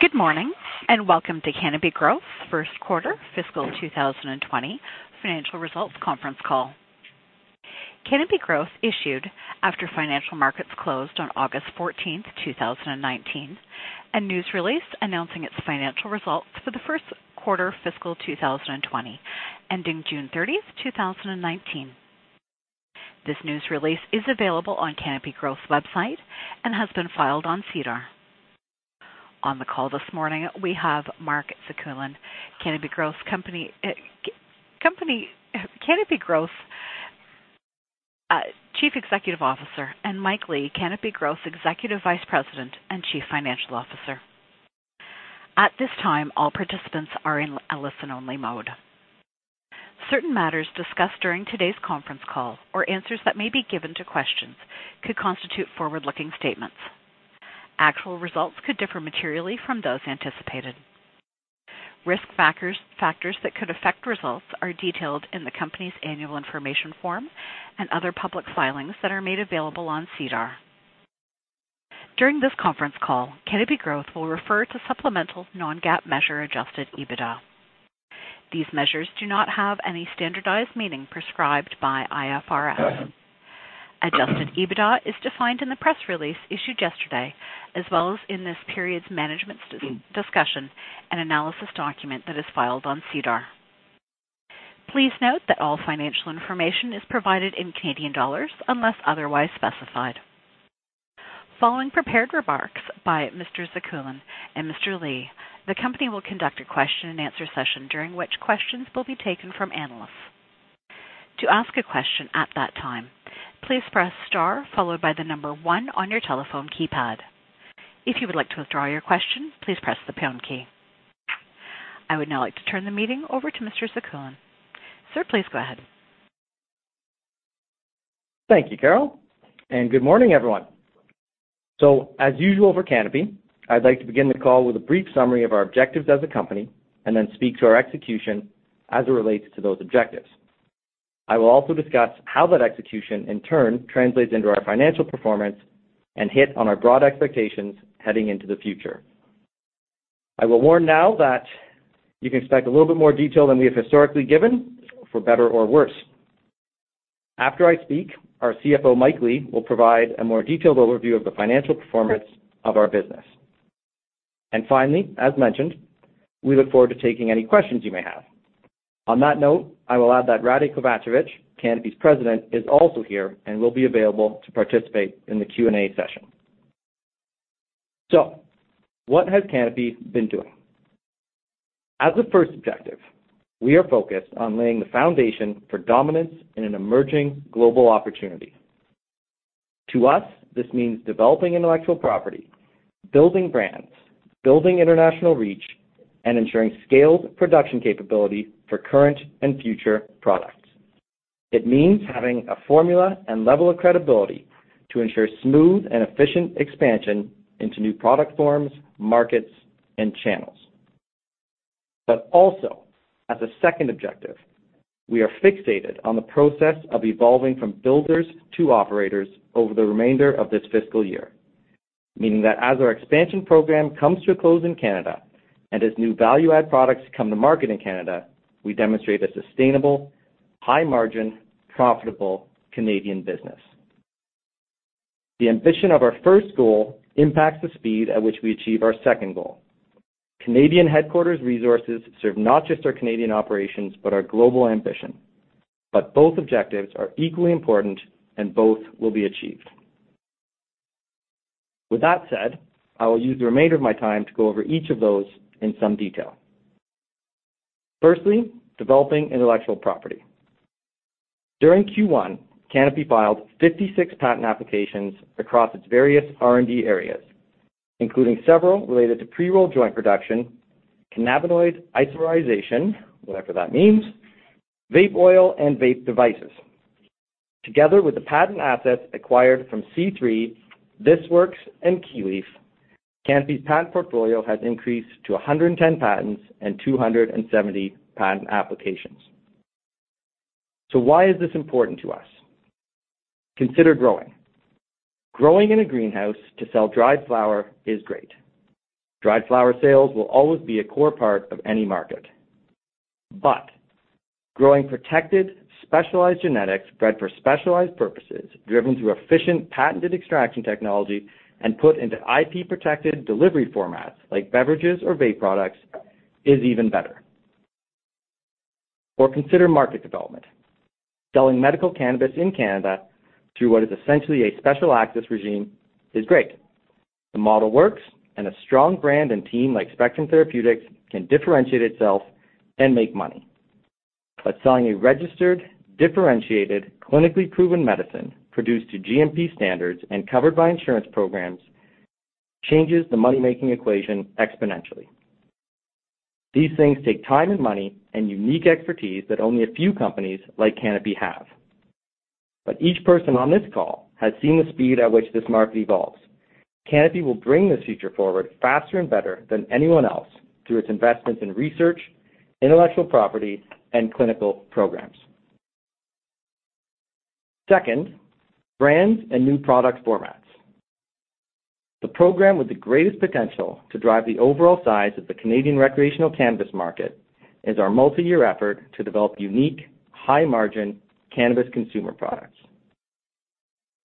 Good morning, welcome to Canopy Growth first quarter fiscal 2020 financial results conference call. Canopy Growth issued after financial markets closed on August 14th, 2019, a news release announcing its financial results for the first quarter fiscal 2020 ending June 30th, 2019. This news release is available on Canopy Growth's website and has been filed on SEDAR. On the call this morning, we have Mark Zekulin, Canopy Growth's Chief Executive Officer, and Mike Lee, Canopy Growth's Executive Vice President and Chief Financial Officer. At this time, all participants are in a listen-only mode. Certain matters discussed during today's conference call or answers that may be given to questions could constitute forward-looking statements. Actual results could differ materially from those anticipated. Risk factors that could affect results are detailed in the company's annual information form and other public filings that are made available on SEDAR. During this conference call, Canopy Growth will refer to supplemental non-GAAP measure Adjusted EBITDA. These measures do not have any standardized meaning prescribed by IFRS. Adjusted EBITDA is defined in the press release issued yesterday, as well as in this period's management discussion and analysis document that is filed on SEDAR. Please note that all financial information is provided in Canadian dollars unless otherwise specified. Following prepared remarks by Mr. Zekulin and Mr. Lee, the company will conduct a question and answer session during which questions will be taken from analysts. To ask a question at that time, please press star followed by the number one on your telephone keypad. If you would like to withdraw your question, please press the pound key. I would now like to turn the meeting over to Mr. Zekulin. Sir, please go ahead. Thank you, Carol. Good morning, everyone. As usual for Canopy, I'd like to begin the call with a brief summary of our objectives as a company and then speak to our execution as it relates to those objectives. I will also discuss how that execution in turn translates into our financial performance and hit on our broad expectations heading into the future. I will warn now that you can expect a little bit more detail than we have historically given, for better or worse. After I speak, our CFO, Mike Lee, will provide a more detailed overview of the financial performance of our business. Finally, as mentioned, we look forward to taking any questions you may have. On that note, I will add that Rade Kovacevic, Canopy's President, is also here and will be available to participate in the Q&A session. What has Canopy been doing? As a first objective, we are focused on laying the foundation for dominance in an emerging global opportunity. To us, this means developing intellectual property, building brands, building international reach, and ensuring scaled production capability for current and future products. It means having a formula and level of credibility to ensure smooth and efficient expansion into new product forms, markets, and channels. Also, as a second objective, we are fixated on the process of evolving from builders to operators over the remainder of this fiscal year. Meaning that as our expansion program comes to a close in Canada and as new value-add products come to market in Canada, we demonstrate a sustainable, high margin, profitable Canadian business. The ambition of our first goal impacts the speed at which we achieve our second goal. Canadian headquarters resources serve not just our Canadian operations, but our global ambition. Both objectives are equally important and both will be achieved. With that said, I will use the remainder of my time to go over each of those in some detail. Firstly, developing intellectual property. During Q1, Canopy filed 56 patent applications across its various R&D areas, including several related to pre-roll joint production, cannabinoid isomerization, whatever that means, vape oil, and vape devices. Together with the patent assets acquired from C3, This Works, and KeyLeaf, Canopy's patent portfolio has increased to 110 patents and 270 patent applications. Why is this important to us? Consider growing. Growing in a greenhouse to sell dried flower is great. Dried flower sales will always be a core part of any market. Growing protected, specialized genetics bred for specialized purposes, driven through efficient patented extraction technology and put into IP-protected delivery formats like beverages or vape products is even better. Consider market development. Selling medical cannabis in Canada through what is essentially a special access regime is great. The model works and a strong brand and team like Spectrum Therapeutics can differentiate itself and make money. Selling a registered, differentiated, clinically proven medicine produced to GMP standards and covered by insurance programs changes the money-making equation exponentially. These things take time and money and unique expertise that only a few companies like Canopy have. Each person on this call has seen the speed at which this market evolves. Canopy will bring this future forward faster and better than anyone else through its investments in research, intellectual property, and clinical programs. Second, brands and new product formats. The program with the greatest potential to drive the overall size of the Canadian recreational cannabis market is our multi-year effort to develop unique, high-margin cannabis consumer products.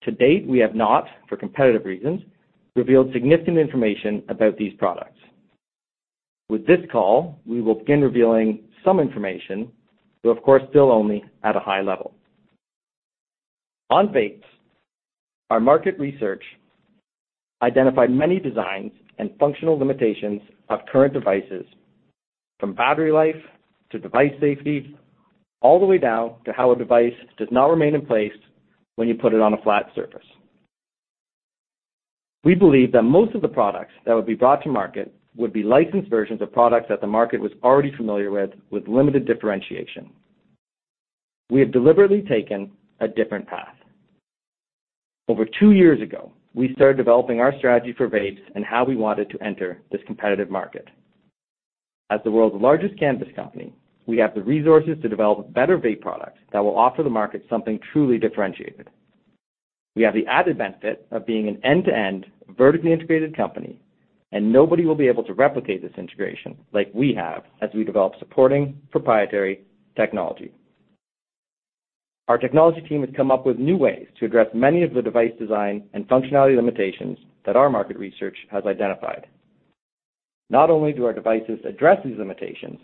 To date, we have not, for competitive reasons, revealed significant information about these products. With this call, we will begin revealing some information, though of course, still only at a high level. On vapes, our market research identified many designs and functional limitations of current devices, from battery life to device safety, all the way down to how a device does not remain in place when you put it on a flat surface. We believe that most of the products that would be brought to market would be licensed versions of products that the market was already familiar with limited differentiation. We have deliberately taken a different path. Over two years ago, we started developing our strategy for vapes and how we wanted to enter this competitive market. As the world's largest cannabis company, we have the resources to develop better vape products that will offer the market something truly differentiated. Nobody will be able to replicate this integration like we have as we develop supporting proprietary technology. Our technology team has come up with new ways to address many of the device design and functionality limitations that our market research has identified. Not only do our devices address these limitations,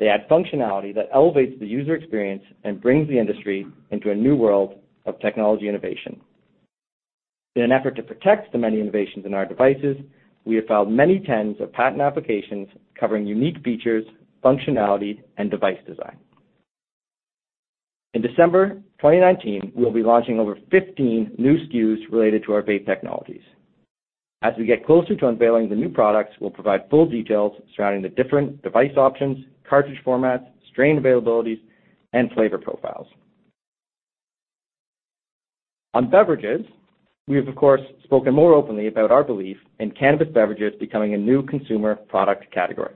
they add functionality that elevates the user experience and brings the industry into a new world of technology innovation. In an effort to protect the many innovations in our devices, we have filed many tens of patent applications covering unique features, functionality, and device design. In December 2019, we will be launching over 15 new SKUs related to our vape technologies. As we get closer to unveiling the new products, we'll provide full details surrounding the different device options, cartridge formats, strain availabilities, and flavor profiles. On beverages, we have of course spoken more openly about our belief in cannabis beverages becoming a new consumer product category.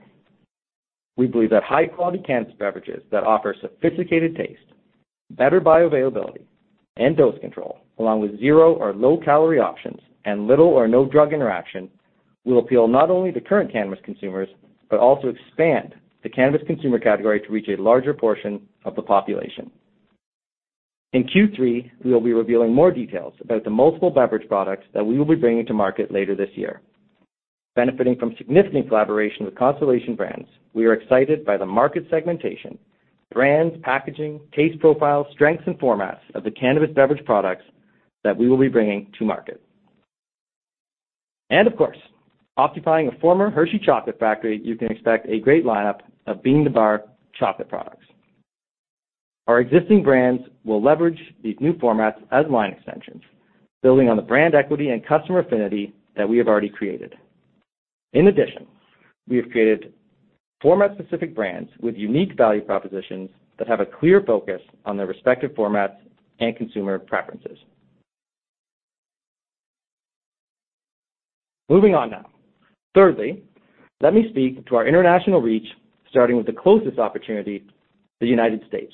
We believe that high-quality cannabis beverages that offer sophisticated taste, better bioavailability, and dose control, along with zero or low-calorie options and little or no drug interaction, will appeal not only to current cannabis consumers, but also expand the cannabis consumer category to reach a larger portion of the population. In Q3, we will be revealing more details about the multiple beverage products that we will be bringing to market later this year. Benefiting from significant collaboration with Constellation Brands, we are excited by the market segmentation, brands, packaging, taste profile, strengths, and formats of the cannabis beverage products that we will be bringing to market. Of course, occupying a former Hershey chocolate factory, you can expect a great lineup of bean-to-bar chocolate products. Our existing brands will leverage these new formats as line extensions, building on the brand equity and customer affinity that we have already created. In addition, we have created format-specific brands with unique value propositions that have a clear focus on their respective formats and consumer preferences. Moving on now. Thirdly, let me speak to our international reach, starting with the closest opportunity, the United States.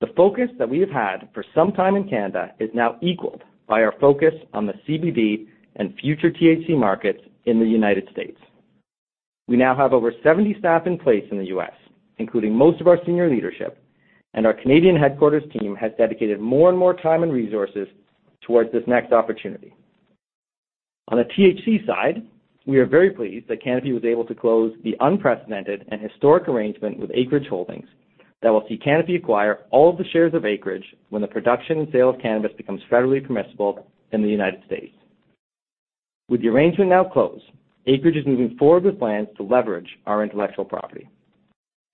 The focus that we have had for some time in Canada is now equaled by our focus on the CBD and future THC markets in the United States. We now have over 70 staff in place in the U.S., including most of our senior leadership, and our Canadian headquarters team has dedicated more and more time and resources towards this next opportunity. On the THC side, we are very pleased that Canopy was able to close the unprecedented and historic arrangement with Acreage Holdings that will see Canopy acquire all of the shares of Acreage when the production and sale of cannabis becomes federally permissible in the United States. With the arrangement now closed, Acreage is moving forward with plans to leverage our intellectual property.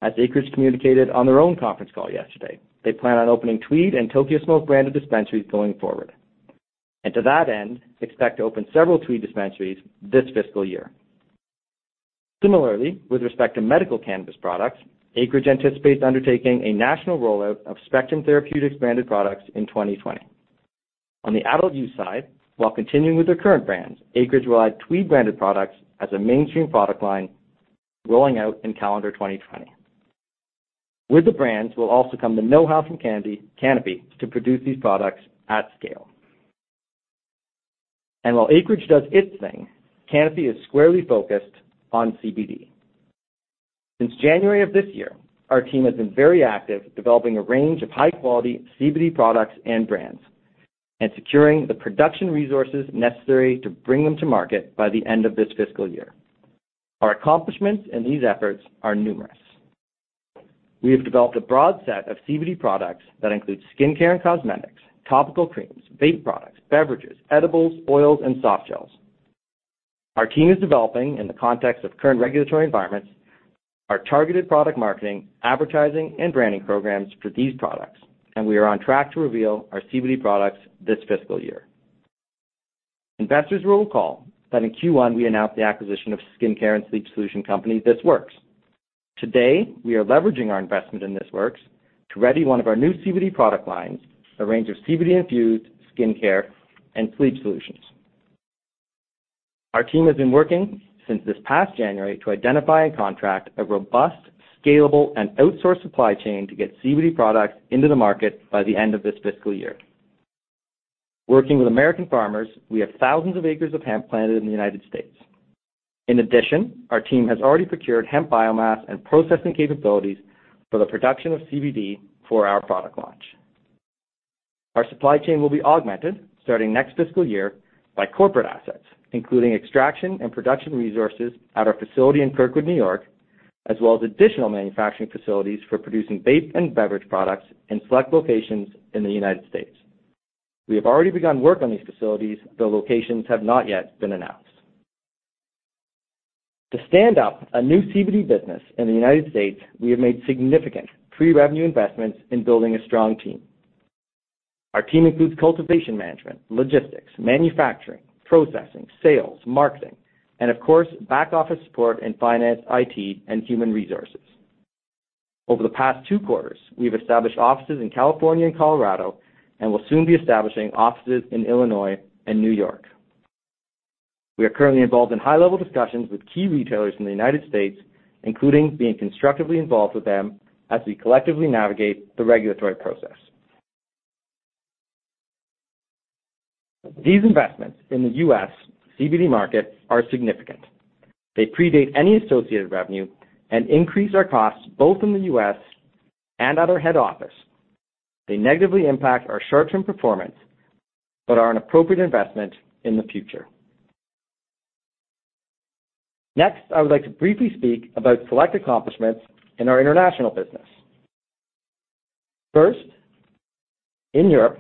As Acreage communicated on their own conference call yesterday, they plan on opening Tweed and Tokyo Smoke branded dispensaries going forward. To that end, expect to open several Tweed dispensaries this fiscal year. Similarly, with respect to medical cannabis products, Acreage anticipates undertaking a national rollout of Spectrum Therapeutics branded products in 2020. On the adult use side, while continuing with their current brands, Acreage will add Tweed branded products as a mainstream product line rolling out in calendar 2020. With the brands will also come the know-how from Canopy to produce these products at scale. While Acreage does its thing, Canopy is squarely focused on CBD. Since January of this year, our team has been very active developing a range of high-quality CBD products and brands and securing the production resources necessary to bring them to market by the end of this fiscal year. Our accomplishments in these efforts are numerous. We have developed a broad set of CBD products that include skincare and cosmetics, topical creams, vape products, beverages, edibles, oils, and softgels. Our team is developing, in the context of current regulatory environments, our targeted product marketing, advertising, and branding programs for these products. We are on track to reveal our CBD products this fiscal year. Investors will recall that in Q1, we announced the acquisition of skincare and sleep solution company, This Works. Today, we are leveraging our investment in This Works to ready one of our new CBD product lines, a range of CBD-infused skincare and sleep solutions. Our team has been working since this past January to identify and contract a robust, scalable, and outsourced supply chain to get CBD products into the market by the end of this fiscal year. Working with American farmers, we have thousands of acres of hemp planted in the U.S. In addition, our team has already procured hemp biomass and processing capabilities for the production of CBD for our product launch. Our supply chain will be augmented starting next fiscal year by corporate assets, including extraction and production resources at our facility in Kirkwood, N.Y., as well as additional manufacturing facilities for producing vape and beverage products in select locations in the United States. We have already begun work on these facilities, though locations have not yet been announced. To stand up a new CBD business in the United States, we have made significant pre-revenue investments in building a strong team. Our team includes cultivation management, logistics, manufacturing, processing, sales, marketing, and of course, back office support in finance, IT, and human resources. Over the past two quarters, we've established offices in California and Colorado and will soon be establishing offices in Illinois and New York. We are currently involved in high-level discussions with key retailers in the U.S., including being constructively involved with them as we collectively navigate the regulatory process. These investments in the U.S. CBD market are significant. They predate any associated revenue and increase our costs both in the U.S. and at our head office. They negatively impact our short-term performance, but are an appropriate investment in the future. Next, I would like to briefly speak about select accomplishments in our international business. First, in Europe,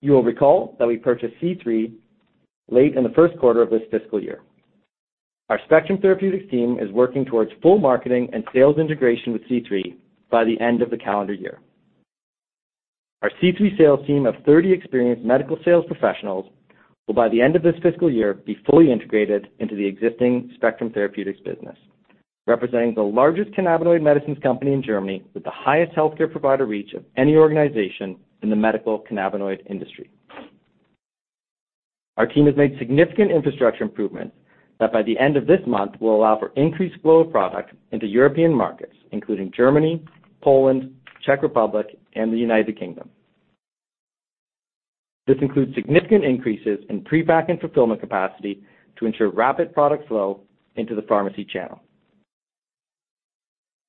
you will recall that we purchased C3 late in the first quarter of this fiscal year. Our Spectrum Therapeutics team is working towards full marketing and sales integration with C3 by the end of the calendar year. Our C3 sales team of 30 experienced medical sales professionals will, by the end of this fiscal year, be fully integrated into the existing Spectrum Therapeutics business, representing the largest cannabinoid medicines company in Germany with the highest healthcare provider reach of any organization in the medical cannabinoid industry. Our team has made significant infrastructure improvements that by the end of this month will allow for increased flow of product into European markets, including Germany, Poland, Czech Republic, and the U.K. This includes significant increases in pre-pack and fulfillment capacity to ensure rapid product flow into the pharmacy channel.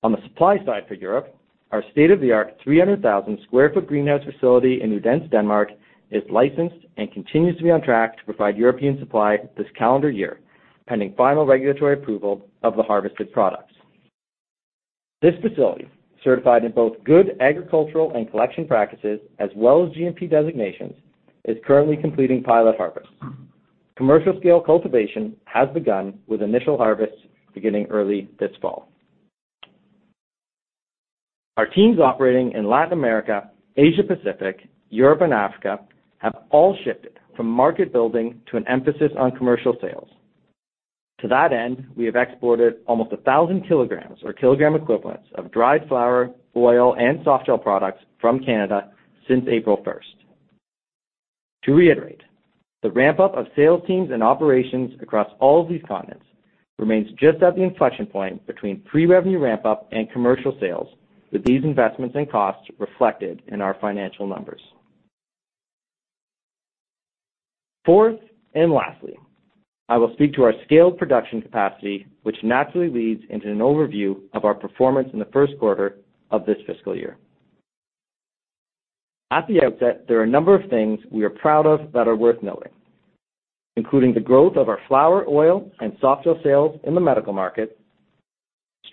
On the supply side for Europe, our state-of-the-art 300,000 sq ft greenhouse facility in Odense, Denmark, is licensed and continues to be on track to provide European supply this calendar year, pending final regulatory approval of the harvested products. This facility, certified in both Good Agricultural and Collection Practices as well as GMP designations, is currently completing pilot harvest. Commercial scale cultivation has begun with initial harvest beginning early this fall. Our teams operating in Latin America, Asia Pacific, Europe, and Africa have all shifted from market building to an emphasis on commercial sales. To that end, we have exported almost 1,000 kg or kg equivalents of dried flower, oil, and softgel products from Canada since April 1st. To reiterate, the ramp-up of sales teams and operations across all of these continents remains just at the inflection point between pre-revenue ramp-up and commercial sales with these investments and costs reflected in our financial numbers. Fourth and lastly, I will speak to our scaled production capacity, which naturally leads into an overview of our performance in the first quarter of this fiscal year. At the outset, there are a number of things we are proud of that are worth noting, including the growth of our flower oil and softgel sales in the medical market,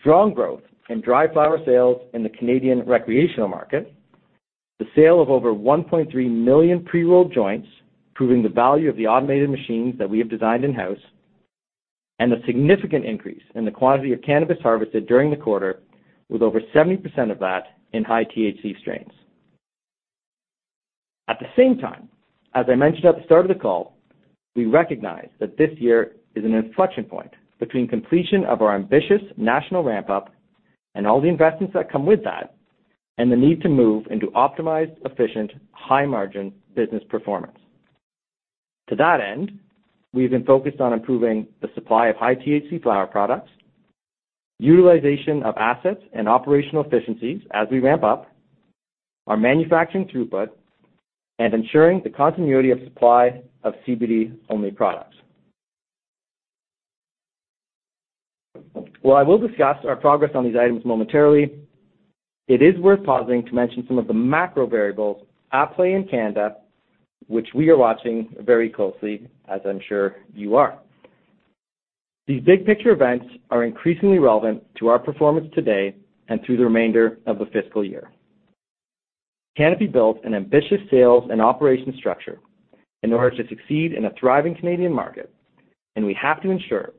strong growth in dry flower sales in the Canadian recreational market, the sale of over 1.3 million pre-rolled joints, proving the value of the automated machines that we have designed in-house, and a significant increase in the quantity of cannabis harvested during the quarter with over 70% of that in high-THC strains. At the same time, as I mentioned at the start of the call, we recognize that this year is an inflection point between completion of our ambitious national ramp-up and all the investments that come with that and the need to move into optimized, efficient, high-margin business performance. To that end, we've been focused on improving the supply of high-THC flower products, utilization of assets and operational efficiencies as we ramp up our manufacturing throughput and ensuring the continuity of supply of CBD-only products. While I will discuss our progress on these items momentarily, it is worth pausing to mention some of the macro variables at play in Canada, which we are watching very closely, as I'm sure you are. These big picture events are increasingly relevant to our performance today and through the remainder of the fiscal year. Canopy built an ambitious sales and operations structure in order to succeed in a thriving Canadian market, and we have to ensure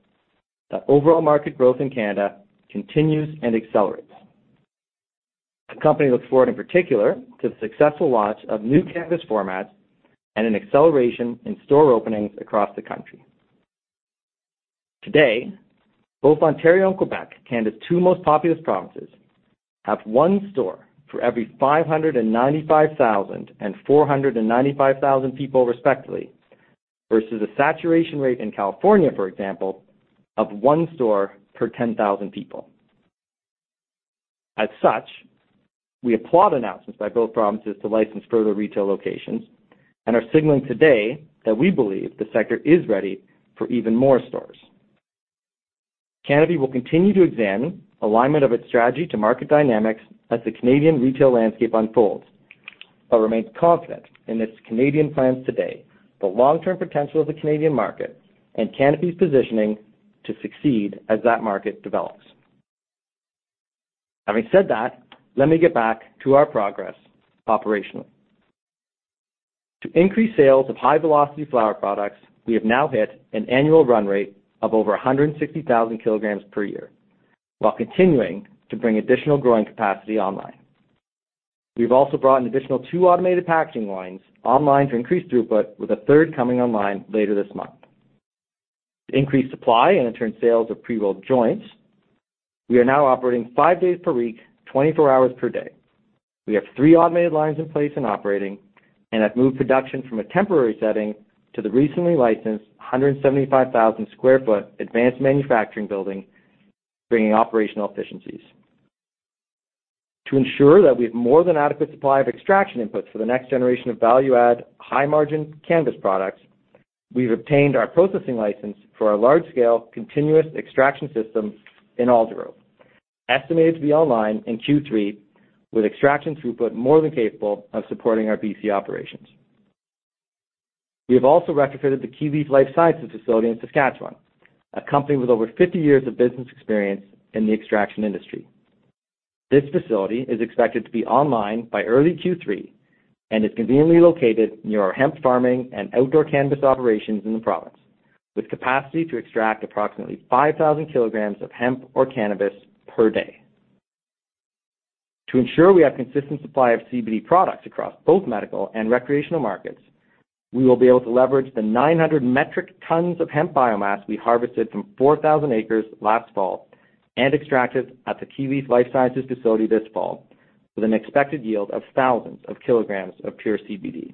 that overall market growth in Canada continues and accelerates. The company looks forward in particular to the successful launch of new cannabis formats and an acceleration in store openings across the country. Today, both Ontario and Quebec, Canada's two most populous provinces have one store for every 595,000 and 495,000 people respectively, versus a saturation rate in California, for example, of one store per 10,000 people. As such, we applaud announcements by both provinces to license further retail locations and are signaling today that we believe the sector is ready for even more stores. Canopy will continue to examine alignment of its strategy to market dynamics as the Canadian retail landscape unfolds, but remains confident in its Canadian plans today, the long-term potential of the Canadian market, and Canopy's positioning to succeed as that market develops. Having said that, let me get back to our progress operationally. To increase sales of high-velocity flower products, we have now hit an annual run rate of over 160,000 kg per year while continuing to bring additional growing capacity online. We've also brought an additional two automated packaging lines online to increase throughput, with a third coming online later this month. To increase supply and in turn sales of pre-rolled joints, we are now operating five days per week, 24 hours per day. We have three automated lines in place and operating and have moved production from a temporary setting to the recently licensed 175,000 sq ft advanced manufacturing building, bringing operational efficiencies. To ensure that we have more than adequate supply of extraction inputs for the next generation of value-add, high-margin cannabis products, we've obtained our processing license for our large-scale continuous extraction system in Aldergrove, estimated to be online in Q3 with extraction throughput more than capable of supporting our B.C. operations. We have also retrofitted the KeyLeaf Life Sciences facility in Saskatchewan, a company with over 50 years of business experience in the extraction industry. This facility is expected to be online by early Q3 and is conveniently located near our hemp farming and outdoor cannabis operations in the province, with capacity to extract approximately 5,000 kg of hemp or cannabis per day. To ensure we have consistent supply of CBD products across both medical and recreational markets, we will be able to leverage the 900 metric tons of hemp biomass we harvested from 4,000 acres last fall and extracted at the KeyLeaf Life Sciences facility this fall, with an expected yield of thousands of kilograms of pure CBD.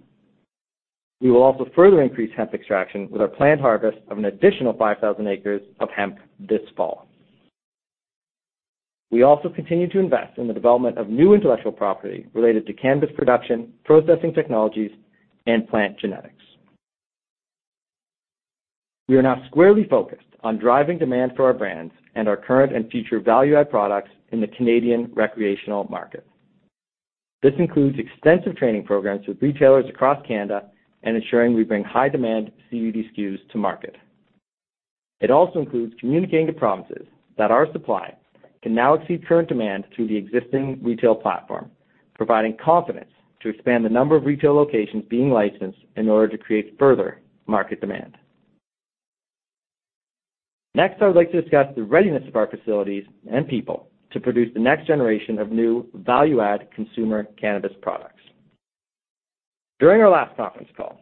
We will also further increase hemp extraction with our planned harvest of an additional 5,000 acres of hemp this fall. We also continue to invest in the development of new intellectual property related to cannabis production, processing technologies, and plant genetics. We are now squarely focused on driving demand for our brands and our current and future value-add products in the Canadian recreational market. This includes extensive training programs with retailers across Canada and ensuring we bring high-demand CBD SKUs to market. It also includes communicating to provinces that our supply can now exceed current demand through the existing retail platform, providing confidence to expand the number of retail locations being licensed in order to create further market demand. I would like to discuss the readiness of our facilities and people to produce the next generation of new value-add consumer cannabis products. During our last conference call,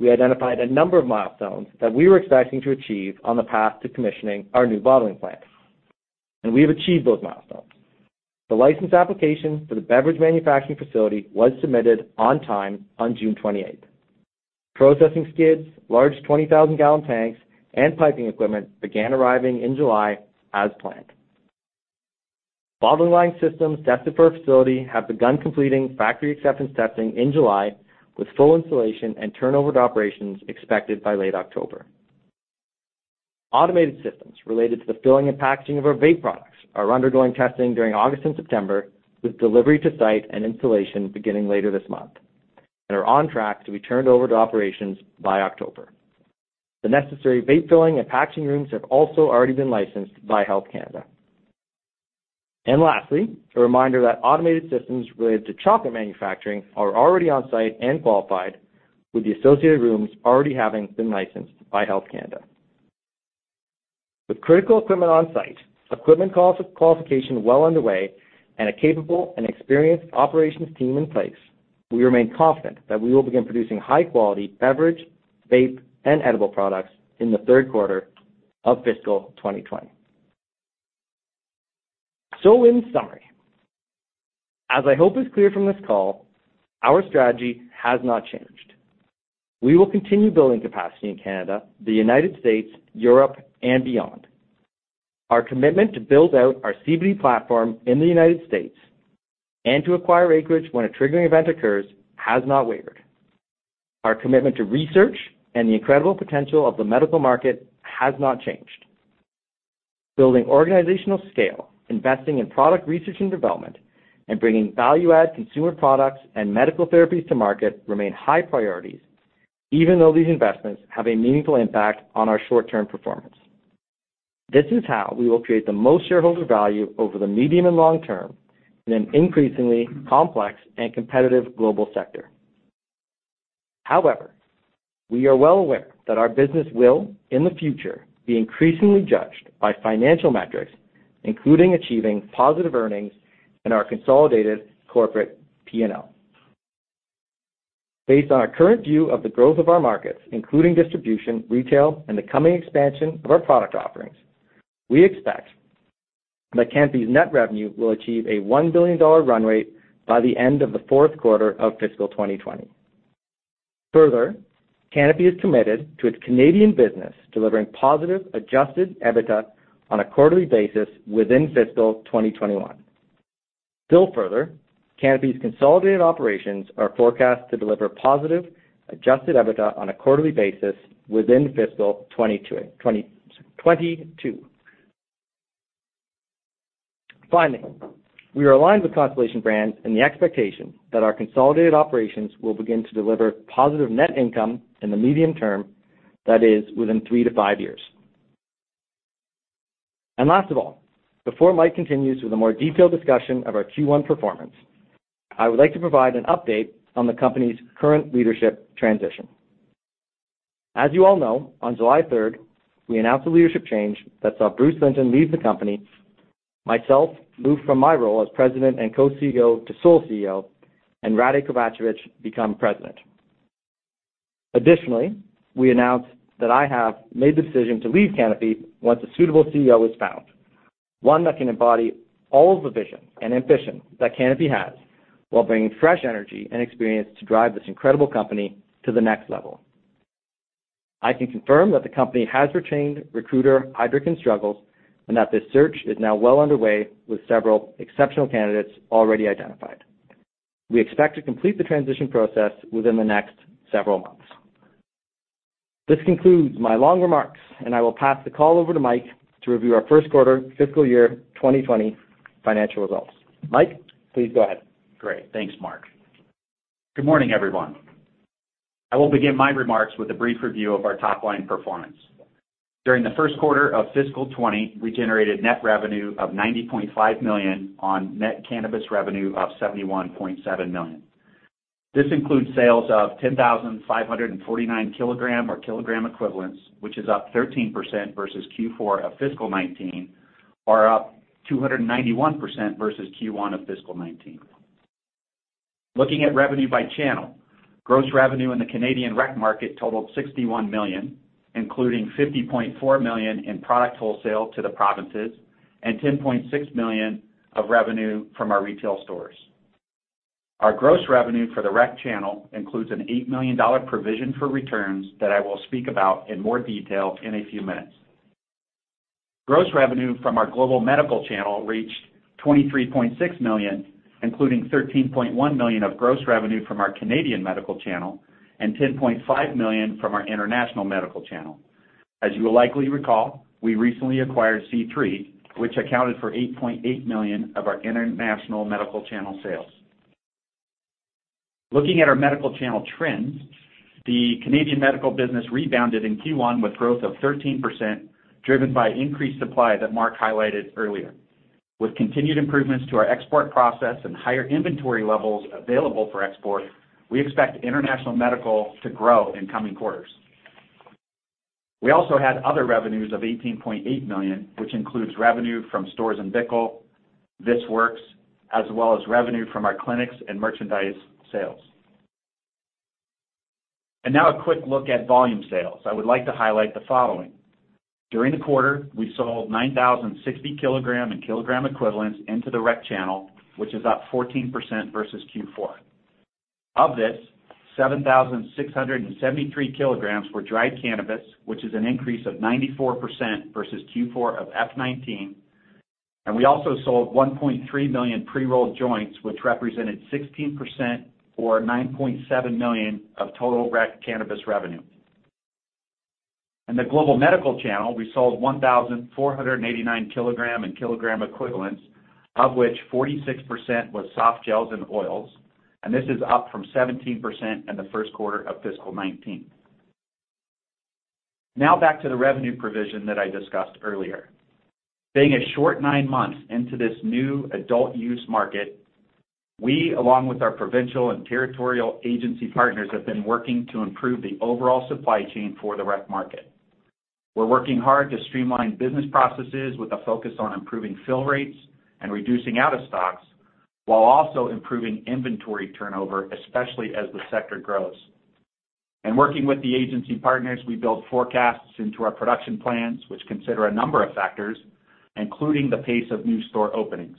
we identified a number of milestones that we were expecting to achieve on the path to commissioning our new bottling plant. We have achieved those milestones. The license application for the beverage manufacturing facility was submitted on time on June 28th. Processing skids, large 20,000-gallon tanks, and piping equipment began arriving in July as planned. Bottling line systems destined for our facility have begun completing factory acceptance testing in July with full installation and turnover to operations expected by late October. Automated systems related to the filling and packaging of our vape products are undergoing testing during August and September, with delivery to site and installation beginning later this month, and are on track to be turned over to operations by October. The necessary vape filling and packaging rooms have also already been licensed by Health Canada. Lastly, a reminder that automated systems related to chocolate manufacturing are already on site and qualified with the associated rooms already having been licensed by Health Canada. With critical equipment on site, equipment qualification well underway, and a capable and experienced operations team in place, we remain confident that we will begin producing high-quality beverage, vape, and edible products in the third quarter of fiscal 2020. In summary, as I hope is clear from this call, our strategy has not changed. We will continue building capacity in Canada, the U.S., Europe, and beyond. Our commitment to build out our CBD platform in the U.S. and to acquire Acreage when a triggering event occurs has not wavered. Our commitment to research and the incredible potential of the medical market has not changed. Building organizational scale, investing in product research and development, and bringing value-add consumer products and medical therapies to market remain high priorities, even though these investments have a meaningful impact on our short-term performance. This is how we will create the most shareholder value over the medium and long term in an increasingly complex and competitive global sector. However, we are well aware that our business will, in the future, be increasingly judged by financial metrics, including achieving positive earnings in our consolidated corporate P&L. Based on our current view of the growth of our markets, including distribution, retail, and the coming expansion of our product offerings, we expect that Canopy's net revenue will achieve a 1 billion dollar run rate by the end of the fourth quarter of fiscal 2020. Canopy is committed to its Canadian business delivering positive Adjusted EBITDA on a quarterly basis within fiscal 2021. Canopy's consolidated operations are forecast to deliver positive Adjusted EBITDA on a quarterly basis within fiscal 2022. Finally, we are aligned with Constellation Brands in the expectation that our consolidated operations will begin to deliver positive net income in the medium term, that is within three to five years. Last of all, before Mike continues with a more detailed discussion of our Q1 performance, I would like to provide an update on the company's current leadership transition. As you all know, on July 3rd, we announced a leadership change that saw Bruce Linton leave the company, myself move from my role as president and co-CEO to sole CEO, and Rade Kovacevic become president. Additionally, we announced that I have made the decision to leave Canopy once a suitable CEO is found, one that can embody all of the vision and ambition that Canopy has while bringing fresh energy and experience to drive this incredible company to the next level. I can confirm that the company has retained recruiter Heidrick & Struggles, that this search is now well underway with several exceptional candidates already identified. We expect to complete the transition process within the next several months. This concludes my long remarks, I will pass the call over to Mike to review our first quarter fiscal year 2020 financial results. Mike, please go ahead. Great. Thanks, Mark. Good morning, everyone. I will begin my remarks with a brief review of our top-line performance. During the first quarter of fiscal 2020, we generated net revenue of 90.5 million on net cannabis revenue of 71.7 million. This includes sales of 10,549 kg or kg equivalents, which is up 13% versus Q4 of fiscal 2019, or up 291% versus Q1 of fiscal 2019. Looking at revenue by channel, gross revenue in the Canadian rec market totaled 61 million, including 50.4 million in product wholesale to the provinces and 10.6 million of revenue from our retail stores. Our gross revenue for the rec channel includes an 8 million dollar provision for returns that I will speak about in more detail in a few minutes. Gross revenue from our global medical channel reached 23.6 million, including 13.1 million of gross revenue from our Canadian medical channel and 10.5 million from our International Medical channel. As you will likely recall, we recently acquired C3, which accounted for 8.8 million of our International Medical channel sales. Looking at our medical channel trends, the Canadian medical business rebounded in Q1 with growth of 13%, driven by increased supply that Mark highlighted earlier. With continued improvements to our export process and higher inventory levels available for export, we expect International Medical to grow in coming quarters. We also had other revenues of 18.8 million, which includes revenue from Storz & Bickel, This Works, as well as revenue from our clinics and merchandise sales. Now a quick look at volume sales. I would like to highlight the following. During the quarter, we sold 9,060 kg and kg equivalents into the rec channel, which is up 14% versus Q4. Of this, 7,673 kg were dried cannabis, which is an increase of 94% versus Q4 of F 2019. We also sold 1.3 million pre-rolled joints, which represented 16% or 9.7 million of total rec cannabis revenue. In the global medical channel, we sold 1,489 kg and kg equivalents, of which 46% was soft gels and oils, and this is up from 17% in the first quarter of fiscal '19. Now back to the revenue provision that I discussed earlier. Being a short nine months into this new adult use market, we along with our provincial and territorial agency partners, have been working to improve the overall supply chain for the rec market. We're working hard to streamline business processes with a focus on improving fill rates and reducing out of stocks while also improving inventory turnover, especially as the sector grows. In working with the agency partners, we build forecasts into our production plans, which consider a number of factors, including the pace of new store openings.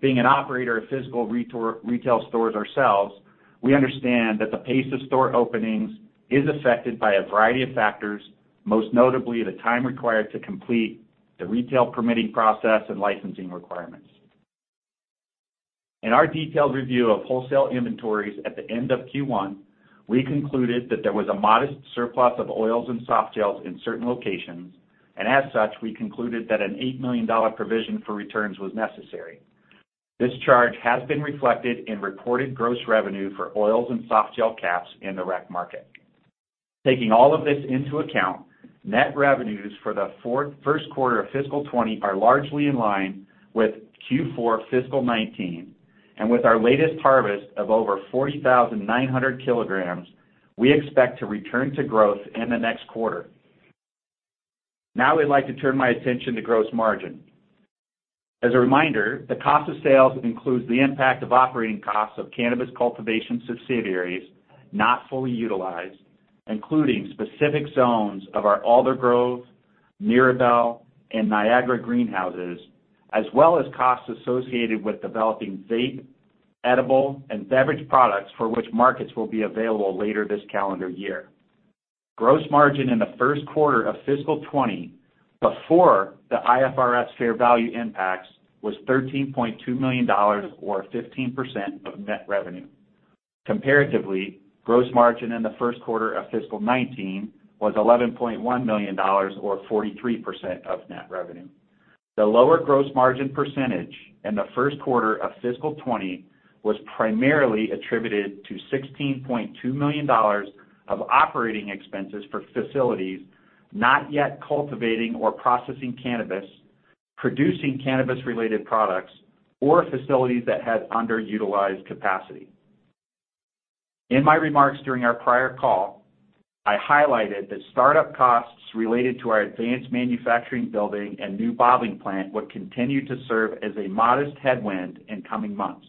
Being an operator of physical retail stores ourselves, we understand that the pace of store openings is affected by a variety of factors, most notably the time required to complete the retail permitting process and licensing requirements. In our detailed review of wholesale inventories at the end of Q1, we concluded that there was a modest surplus of oils and soft gels in certain locations. As such, we concluded that a 8 million dollar provision for returns was necessary. This charge has been reflected in reported gross revenue for oils and softgel caps in the rec market. Taking all of this into account, net revenues for the first quarter of fiscal 2020 are largely in line with Q4 fiscal 2019. With our latest harvest of over 40,900 kg, we expect to return to growth in the next quarter. Now I'd like to turn my attention to gross margin. As a reminder, the cost of sales includes the impact of operating costs of cannabis cultivation subsidiaries not fully utilized, including specific zones of our Aldergrove, Mirabel, and Niagara greenhouses, as well as costs associated with developing vape, edible, and beverage products for which markets will be available later this calendar year. Gross margin in the first quarter of fiscal 2020 before the IFRS fair value impacts was 13.2 million dollars, or 15% of net revenue. Comparatively, gross margin in the first quarter of fiscal 2019 was 11.1 million dollars, or 43% of net revenue. The lower gross margin percentage in the first quarter of fiscal 2020 was primarily attributed to 16.2 million dollars of operating expenses for facilities not yet cultivating or processing cannabis, producing cannabis-related products, or facilities that had underutilized capacity. In my remarks during our prior call, I highlighted the startup costs related to our advanced manufacturing building and new bottling plant would continue to serve as a modest headwind in coming months.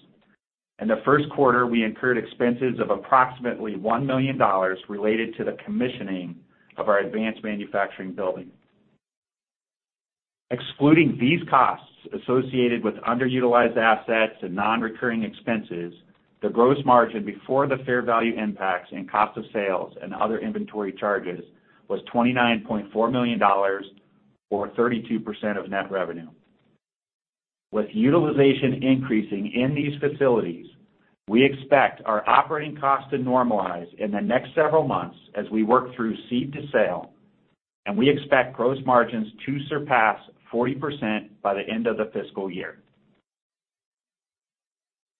In the first quarter, we incurred expenses of approximately 1 million dollars related to the commissioning of our advanced manufacturing building. Excluding these costs associated with underutilized assets and non-recurring expenses, the gross margin before the fair value impacts in cost of sales and other inventory charges was 29.4 million dollars, or 32% of net revenue. With utilization increasing in these facilities, we expect our operating costs to normalize in the next several months as we work through seed to sale, and we expect gross margins to surpass 40% by the end of the fiscal year.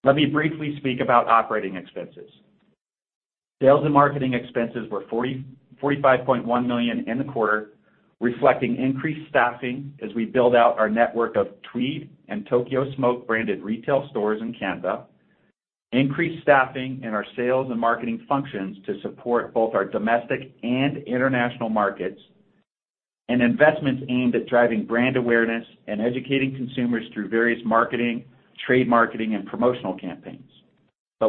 Let me briefly speak about operating expenses. Sales and marketing expenses were 45.1 million in the quarter, reflecting increased staffing as we build out our network of Tweed and Tokyo Smoke-branded retail stores in Canada, increased staffing in our sales and marketing functions to support both our domestic and international markets, and investments aimed at driving brand awareness and educating consumers through various marketing, trade marketing, and promotional campaigns.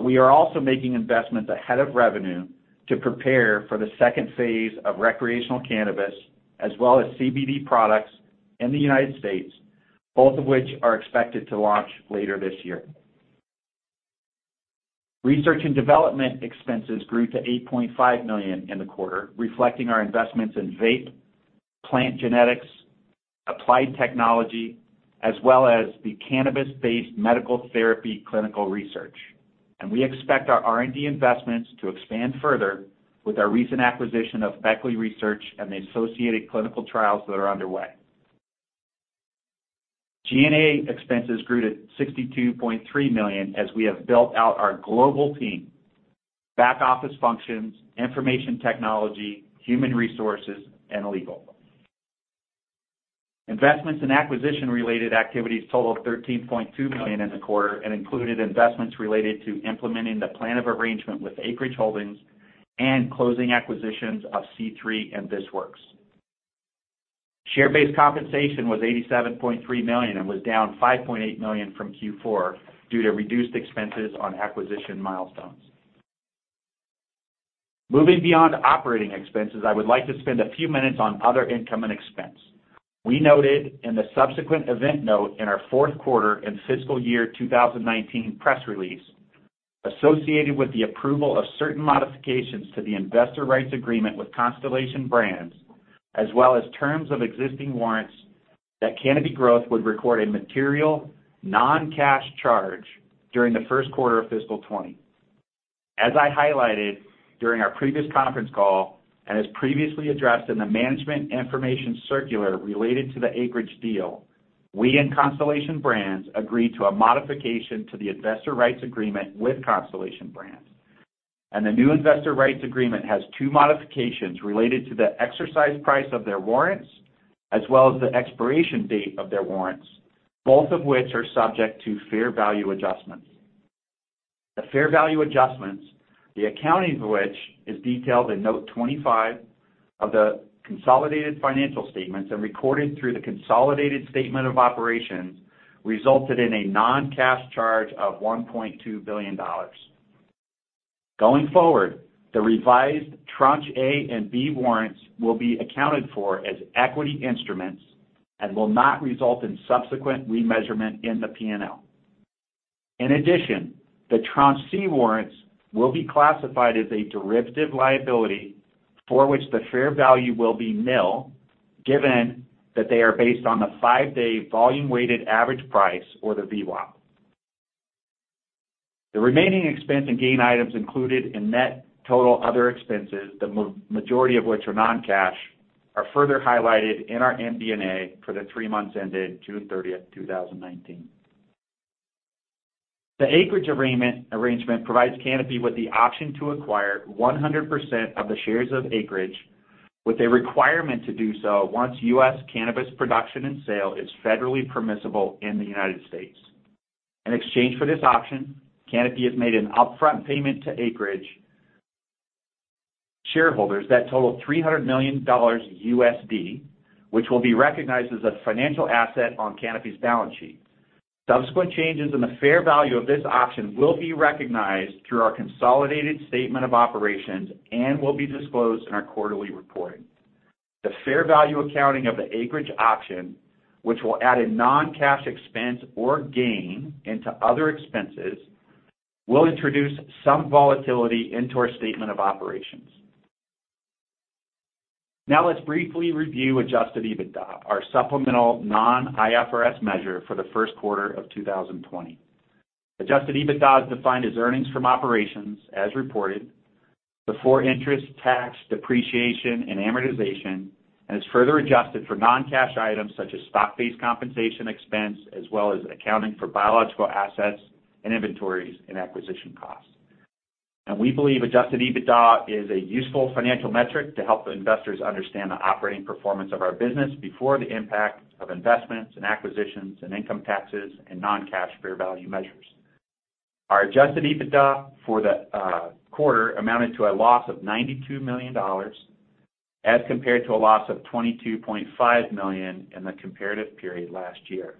We are also making investments ahead of revenue to prepare for the second phase of recreational cannabis as well as CBD products in the U.S., both of which are expected to launch later this year. Research and development expenses grew to 8.5 million in the quarter, reflecting our investments in vape, plant genetics, applied technology, as well as the cannabis-based medical therapy clinical research. We expect our R&D investments to expand further with our recent acquisition of Beckley Research and the associated clinical trials that are underway. G&A expenses grew to 62.3 million as we have built out our global team, back office functions, information technology, human resources, and legal. Investments in acquisition-related activities totaled 13.2 million in the quarter and included investments related to implementing the plan of arrangement with Acreage Holdings and closing acquisitions of C3 and This Works. Share-based compensation was 87.3 million and was down 5.8 million from Q4 due to reduced expenses on acquisition milestones. Moving beyond operating expenses, I would like to spend a few minutes on other income and expense. We noted in the subsequent event note in our fourth quarter and fiscal year 2019 press release, associated with the approval of certain modifications to the Investor Rights Agreement with Constellation Brands, as well as terms of existing warrants, that Canopy Growth would record a material non-cash charge during the first quarter of fiscal 2020. As I highlighted during our previous conference call, as previously addressed in the management information circular related to the Acreage deal, we and Constellation Brands agreed to a modification to the Investor Rights Agreement with Constellation Brands. The new Investor Rights Agreement has two modifications related to the exercise price of their warrants, as well as the expiration date of their warrants, both of which are subject to fair value adjustments. The fair value adjustments, the accounting of which is detailed in Note 25 of the consolidated financial statements and recorded through the consolidated statement of operations, resulted in a non-cash charge of 1.2 billion dollars. Going forward, the revised Tranche A and B warrants will be accounted for as equity instruments and will not result in subsequent remeasurement in the P&L. In addition, the Tranche C warrants will be classified as a derivative liability for which the fair value will be nil, given that they are based on the five-day volume-weighted average price or the VWAP. The remaining expense and gain items included in net total other expenses, the majority of which are non-cash, are further highlighted in our MD&A for the three months ended June 30, 2019. The Acreage arrangement provides Canopy with the option to acquire 100% of the shares of Acreage with a requirement to do so once U.S. cannabis production and sale is federally permissible in the United States. In exchange for this option, Canopy has made an upfront payment to Acreage shareholders that totaled $300 million, which will be recognized as a financial asset on Canopy's balance sheet. Subsequent changes in the fair value of this option will be recognized through our consolidated statement of operations and will be disclosed in our quarterly reporting. The fair value accounting of the Acreage option, which will add a non-cash expense or gain into other expenses, will introduce some volatility into our statement of operations. Let's briefly review Adjusted EBITDA, our supplemental non-IFRS measure for the first quarter of 2020. Adjusted EBITDA is defined as earnings from operations, as reported, before interest, tax, depreciation, and amortization, and is further adjusted for non-cash items such as stock-based compensation expense, as well as accounting for biological assets and inventories and acquisition costs. We believe Adjusted EBITDA is a useful financial metric to help investors understand the operating performance of our business before the impact of investments, and acquisitions, and income taxes, and non-cash fair value measures. Our Adjusted EBITDA for the quarter amounted to a loss of 92 million dollars, as compared to a loss of 22.5 million in the comparative period last year.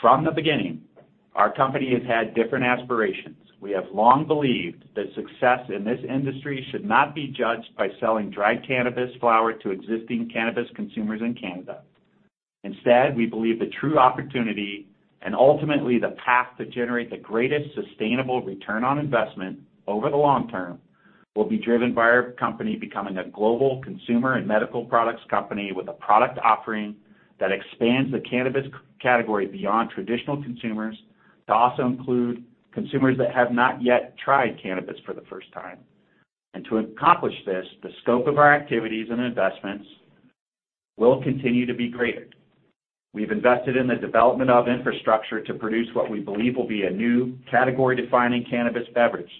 From the beginning, our company has had different aspirations. We have long believed that success in this industry should not be judged by selling dry cannabis flower to existing cannabis consumers in Canada. Instead, we believe the true opportunity and ultimately the path to generate the greatest sustainable return on investment over the long term will be driven by our company becoming a global consumer and medical products company with a product offering that expands the cannabis category beyond traditional consumers to also include consumers that have not yet tried cannabis for the first time. To accomplish this, the scope of our activities and investments will continue to be graded. We've invested in the development of infrastructure to produce what we believe will be a new category-defining cannabis beverage.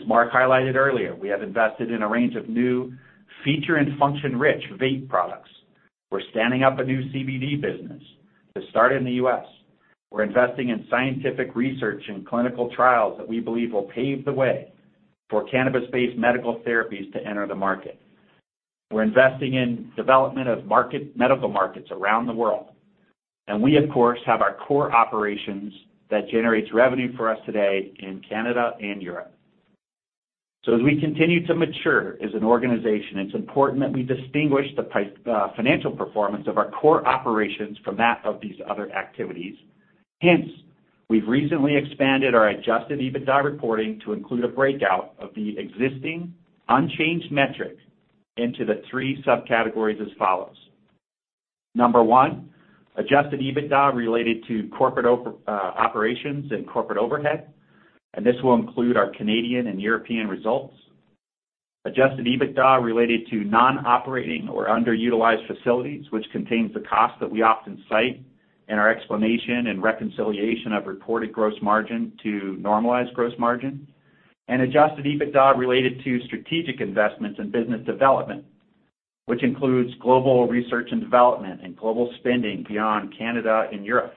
As Mark highlighted earlier, we have invested in a range of new feature and function-rich vape products. We're standing up a new CBD business to start in the U.S. We're investing in scientific research and clinical trials that we believe will pave the way for cannabis-based medical therapies to enter the market. We're investing in development of medical markets around the world. We, of course, have our core operations that generates revenue for us today in Canada and Europe. As we continue to mature as an organization, it's important that we distinguish the financial performance of our core operations from that of these other activities. Hence, we've recently expanded our adjusted EBITDA reporting to include a breakout of the existing unchanged metric into the three subcategories as follows. Number one, adjusted EBITDA related to corporate operations and corporate overhead, this will include our Canadian and European results. Adjusted EBITDA related to non-operating or underutilized facilities, which contains the cost that we often cite in our explanation and reconciliation of reported gross margin to normalized gross margin. Adjusted EBITDA related to strategic investments in business development, which includes global research and development and global spending beyond Canada and Europe.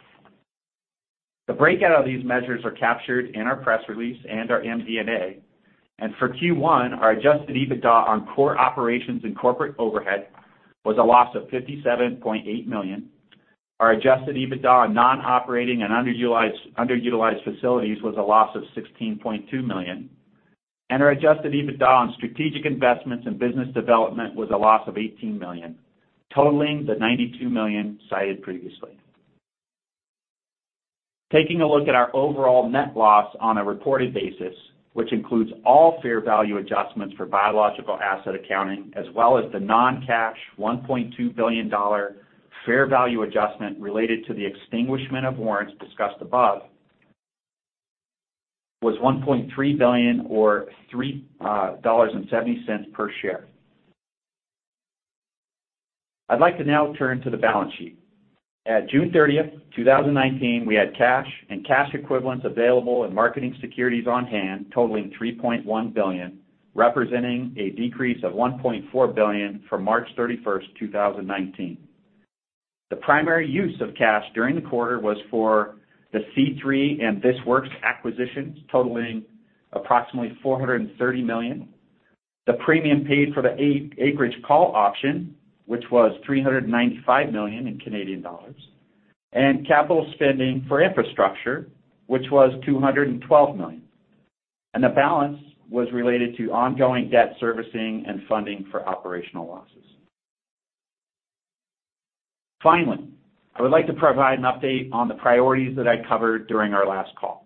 The breakout of these measures are captured in our press release and our MD&A. For Q1, our Adjusted EBITDA on core operations and corporate overhead was a loss of 57.8 million. Our Adjusted EBITDA on non-operating and underutilized facilities was a loss of 16.2 million. Our Adjusted EBITDA on strategic investments in business development was a loss of 18 million, totaling the 92 million cited previously. Taking a look at our overall net loss on a reported basis, which includes all fair value adjustments for biological asset accounting, as well as the non-cash 1.2 billion dollar fair value adjustment related to the extinguishment of warrants discussed above, was 1.3 billion or 3.70 dollars per share. I'd like to now turn to the balance sheet. At June 30th, 2019, we had cash and cash equivalents available and marketing securities on hand totaling 3.1 billion, representing a decrease of 1.4 billion from March 31st, 2019. The primary use of cash during the quarter was for the C3 and This Works acquisitions, totaling approximately 430 million. The premium paid for the Acreage call option, which was 395 million, and capital spending for infrastructure, which was 212 million. The balance was related to ongoing debt servicing and funding for operational losses. Finally, I would like to provide an update on the priorities that I covered during our last call.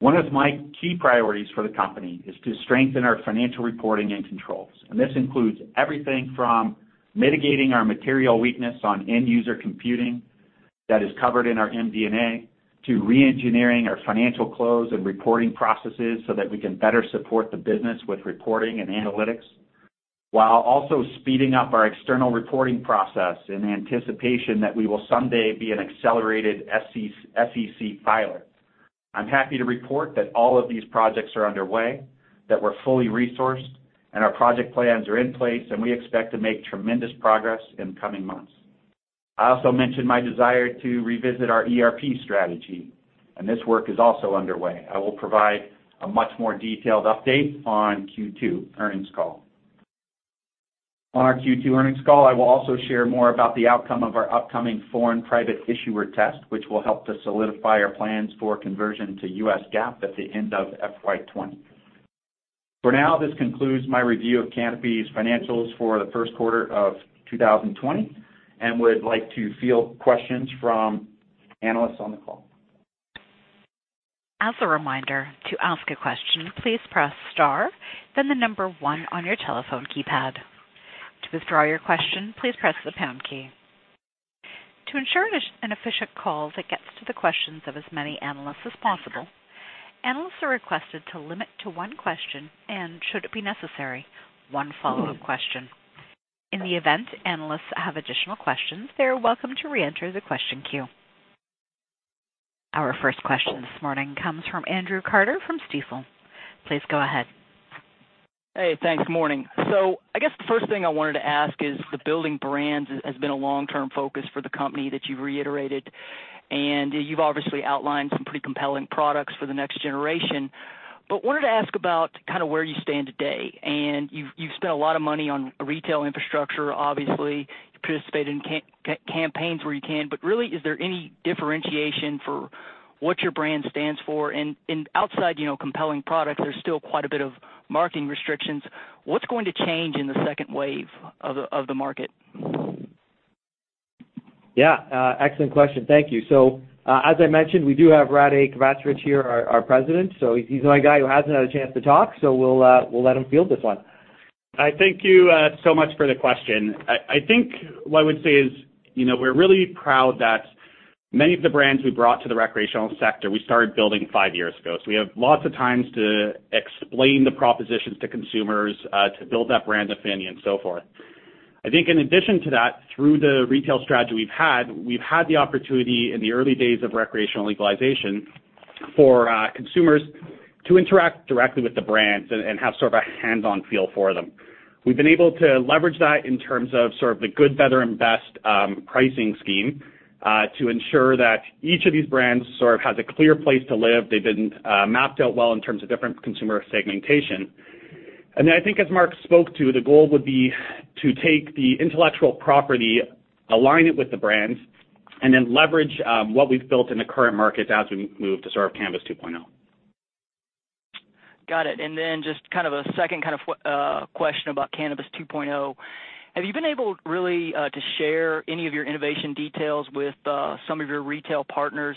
One of my key priorities for the company is to strengthen our financial reporting and controls. This includes everything from mitigating our material weakness on end user computing that is covered in our MD&A to re-engineering our financial close and reporting processes so that we can better support the business with reporting and analytics, while also speeding up our external reporting process in anticipation that we will someday be an accelerated SEC filer. I'm happy to report that all of these projects are underway, that we're fully resourced, and our project plans are in place, and we expect to make tremendous progress in the coming months. I also mentioned my desire to revisit our ERP strategy, and this work is also underway. I will provide a much more detailed update on Q2 earnings call. On our Q2 earnings call, I will also share more about the outcome of our upcoming foreign private issuer test, which will help to solidify our plans for conversion to U.S. GAAP at the end of FY 2020. For now, this concludes my review of Canopy's financials for the first quarter of 2020, and would like to field questions from analysts on the call. As a reminder, to ask a question, please press star, then the number one on your telephone keypad. To withdraw your question, please press the pound key. To ensure an efficient call that gets to the questions of as many analysts as possible, analysts are requested to limit to one question, and should it be necessary, one follow-up question. In the event analysts have additional questions, they are welcome to reenter the question queue. Our first question this morning comes from Andrew Carter from Stifel. Please go ahead. Hey, thanks. Morning. I guess the first thing I wanted to ask is the building brands has been a long-term focus for the company that you've reiterated, and you've obviously outlined some pretty compelling products for the next generation. Wanted to ask about where you stand today. You've spent a lot of money on retail infrastructure, obviously. You participate in campaigns where you can, but really is there any differentiation for what your brand stands for and outside compelling products, there's still quite a bit of marketing restrictions. What's going to change in the second wave of the market? Yeah. Excellent question. Thank you. As I mentioned, we do have Rade Kovacevic here, our President. He's my guy who hasn't had a chance to talk, so we'll let him field this one. Thank you so much for the question. I think what I would say is we're really proud that many of the brands we brought to the recreational sector we started building five years ago. We have lots of times to explain the propositions to consumers, to build that brand affinity and so forth. I think in addition to that, through the retail strategy we've had, we've had the opportunity in the early days of recreational legalization for consumers to interact directly with the brands and have a hands-on feel for them. We've been able to leverage that in terms of the good, better and best pricing scheme, to ensure that each of these brands has a clear place to live. They've been mapped out well in terms of different consumer segmentation. I think as Mark spoke to, the goal would be to take the intellectual property, align it with the brands, and then leverage what we've built in the current markets as we move to Cannabis 2.0. Got it. Then just a second question about Cannabis 2.0. Have you been able really to share any of your innovation details with some of your retail partners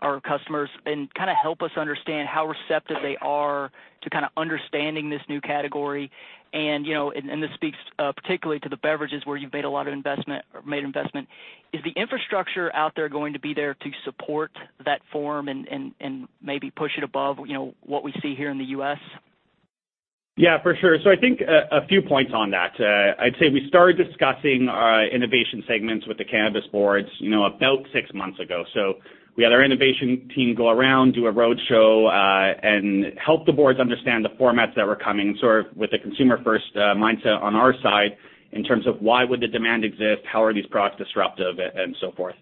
or customers and help us understand how receptive they are to understanding this new category? This speaks particularly to the beverages where you've made investment. Is the infrastructure out there going to be there to support that form and maybe push it above what we see here in the U.S.? Yeah, for sure. I think a few points on that. I'd say we started discussing our innovation segments with the cannabis boards about six months ago. We had our innovation team go around, do a roadshow, and help the boards understand the formats that were coming with the consumer-first mindset on our side in terms of why would the demand exist, how are these products disruptive and so forth.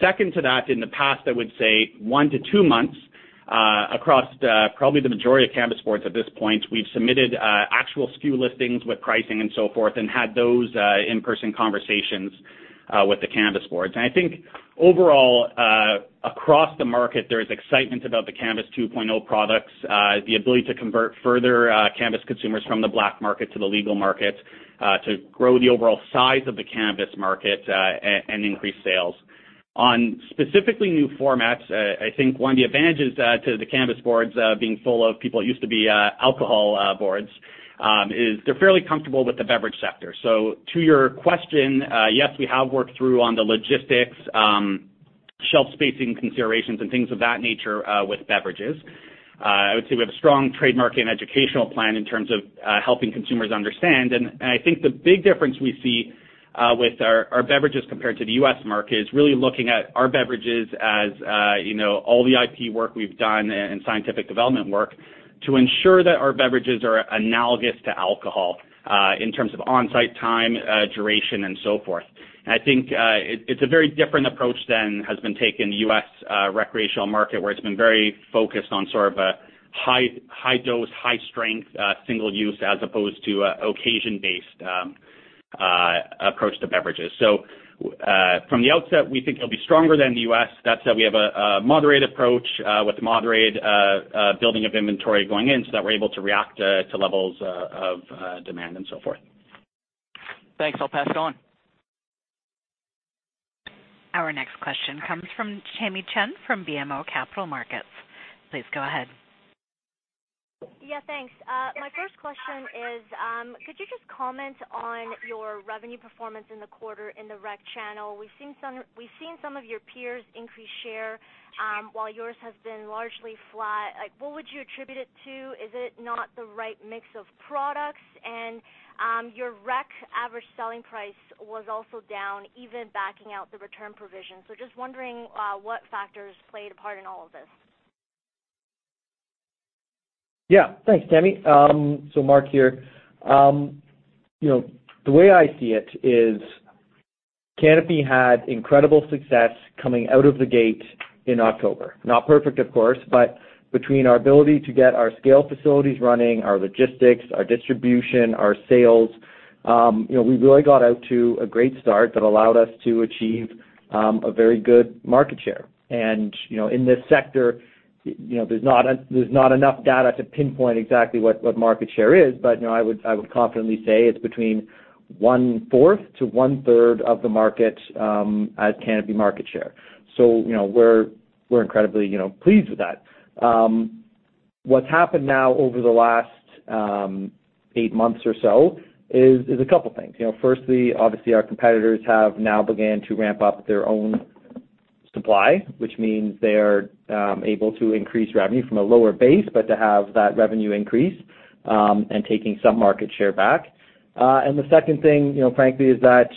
Second to that, in the past, I would say one to two months, across probably the majority of cannabis boards at this point, we've submitted actual SKU listings with pricing and so forth and had those in-person conversations with the cannabis boards. I think overall, across the market, there is excitement about the Cannabis 2.0 products, the ability to convert further cannabis consumers from the black market to the legal market, to grow the overall size of the cannabis market, and increase sales. On specifically new formats, I think one of the advantages to the cannabis boards being full of people that used to be alcohol boards, is they're fairly comfortable with the beverage sector. To your question, yes, we have worked through on the logistics, shelf spacing considerations, and things of that nature with beverages. I would say we have a strong trademarking educational plan in terms of helping consumers understand. I think the big difference we see with our beverages compared to the U.S. market is really looking at our beverages as all the IP work we've done and scientific development work to ensure that our beverages are analogous to alcohol in terms of on-site time, duration, and so forth. I think it's a very different approach than has been taken in the U.S. recreational market, where it's been very focused on a high dose, high strength, single use, as opposed to a occasion-based approach to beverages. From the outset, we think it'll be stronger than the U.S. That said, we have a moderate approach with moderate building of inventory going in so that we're able to react to levels of demand and so forth. Thanks. I'll pass it on. Our next question comes from Tamy Chen from BMO Capital Markets. Please go ahead. Yeah, thanks. My first question is could you just comment on your revenue performance in the quarter in the rec channel? We've seen some of your peers increase share while yours has been largely flat. What would you attribute it to? Is it not the right mix of products? Your rec average selling price was also down, even backing out the return provision. Just wondering what factors played a part in all of this. Yeah. Thanks, Tamy. Mark here. The way I see it is Canopy had incredible success coming out of the gate in October. Not perfect, of course, between our ability to get our scale facilities running, our logistics, our distribution, our sales, we really got out to a great start that allowed us to achieve a very good market share. In this sector, there's not enough data to pinpoint exactly what market share is. I would confidently say it's between 1/4 to 1/3 of the market as Canopy market share. We're incredibly pleased with that. What's happened now over the last eight months or so is a couple things. Firstly, obviously, our competitors have now began to ramp up their own supply, which means they are able to increase revenue from a lower base, but to have that revenue increase, and taking some market share back. The second thing frankly, is that,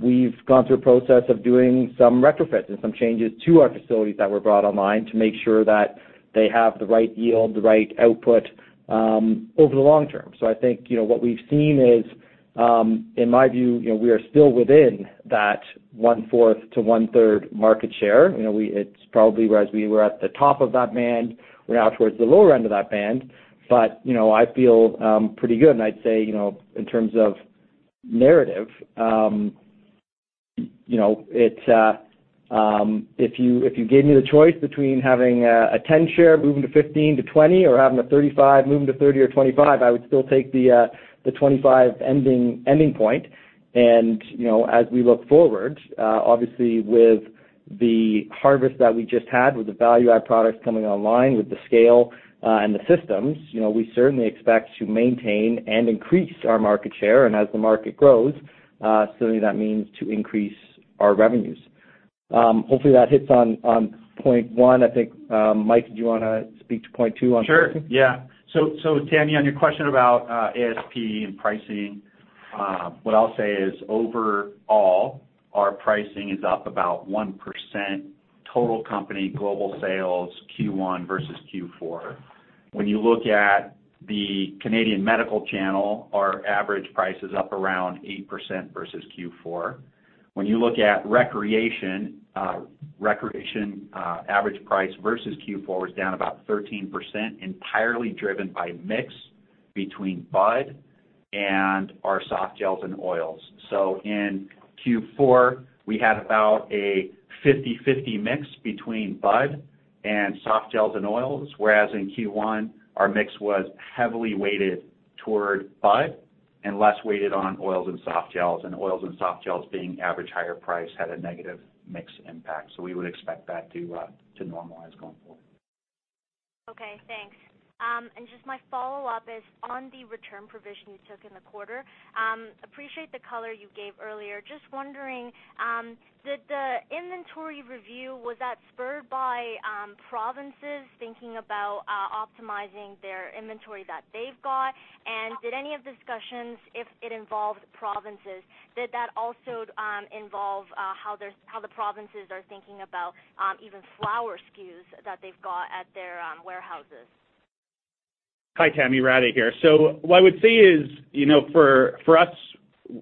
we've gone through a process of doing some retrofits and some changes to our facilities that were brought online to make sure that they have the right yield, the right output, over the long term. I think, what we've seen is, in my view, we are still within that 1/4 to 1/3 market share. It's probably whereas we were at the top of that band, we're now towards the lower end of that band, but I feel pretty good and I'd say, in terms of narrative, if you gave me the choice between having a 10 share moving to 15-20 or having a 35 moving to 30 or 25, I would still take the 25 ending point. As we look forward, obviously with the harvest that we just had, with the value-add products coming online, with the scale, and the systems, we certainly expect to maintain and increase our market share, and as the market grows, certainly that means to increase our revenues. Hopefully that hits on point one. I think, Mike, did you want to speak to point two on pricing? Sure. Yeah. Tamy, on your question about ASP and pricing, what I'll say is overall, our pricing is up about 1% total company global sales Q1 versus Q4. When you look at the Canadian medical channel, our average price is up around 8% versus Q4. When you look at recreation average price versus Q4 was down about 13%, entirely driven by mix between bud and our softgels and oils. In Q4, we had about a 50/50 mix between bud and softgels and oils, whereas in Q1, our mix was heavily weighted toward bud and less weighted on oils and softgels, and oils and softgels being average higher price had a negative mix impact, we would expect that to normalize going forward. Okay, thanks. Just my follow-up is on the return provision you took in the quarter. Appreciate the color you gave earlier. Just wondering, did the inventory review, was that spurred by provinces thinking about optimizing their inventory that they've got? Did any of discussions, if it involved provinces, did that also involve how the provinces are thinking about even flower SKUs that they've got at their warehouses? Hi, Tamy. Rade here. What I would say is, for us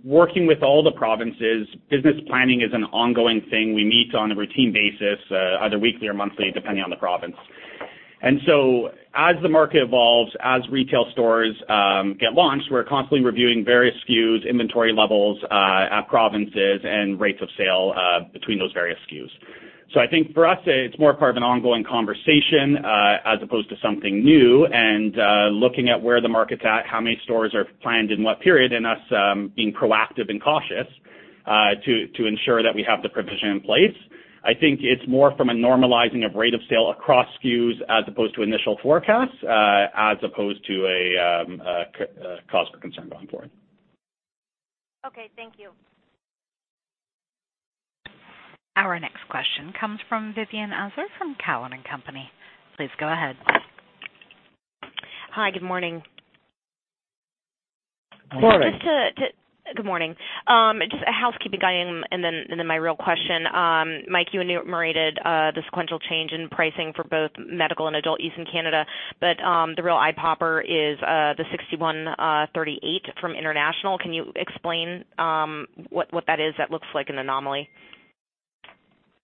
working with all the provinces, business planning is an ongoing thing. We meet on a routine basis, either weekly or monthly, depending on the province. As the market evolves, as retail stores get launched, we're constantly reviewing various SKUs, inventory levels at provinces, and rates of sale between those various SKUs. I think for us, it's more part of an ongoing conversation, as opposed to something new and looking at where the market's at, how many stores are planned in what period, and us being proactive and cautious to ensure that we have the provision in place. I think it's more from a normalizing of rate of sale across SKUs as opposed to initial forecasts, as opposed to a cause for concern going forward. Okay. Thank you. Our next question comes from Vivien Azer from Cowen and Company. Please go ahead. Hi. Good morning. Morning. Good morning. Just a housekeeping item and then my real question. Mike, you enumerated the sequential change in pricing for both medical and adult use in Canada, the real eye-popper is the 61.38 from international. Can you explain what that is? That looks like an anomaly.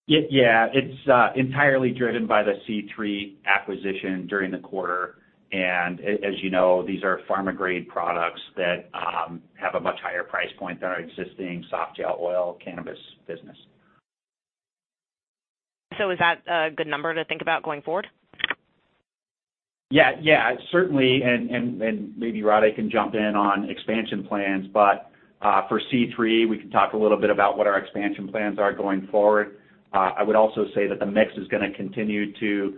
Yeah. It's entirely driven by the C3 acquisition during the quarter. As you know, these are pharma-grade products that have a much higher price point than our existing softgel oil cannabis business. Is that a good number to think about going forward? Yeah. Certainly, and maybe Rade can jump in on expansion plans, but for C3, we can talk a little bit about what our expansion plans are going forward. I would also say that the mix is gonna continue to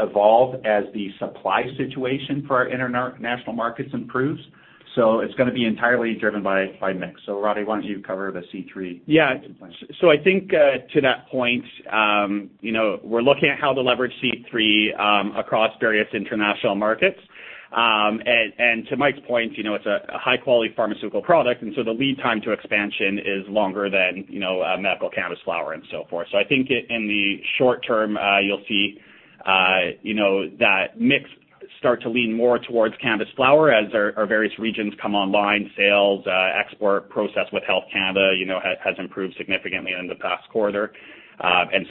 evolve as the supply situation for our international markets improves. It's gonna be entirely driven by mix. Rade, why don't you cover the C3 expansion plans? I think, to that point, we are looking at how to leverage C3 across various international markets. To Mike's point, it is a high-quality pharmaceutical product, and so the lead time to expansion is longer than medical cannabis flower and so forth. I think in the short term, you will see that mix. Start to lean more towards cannabis flower as our various regions come online. Sales export process with Health Canada has improved significantly in the past quarter.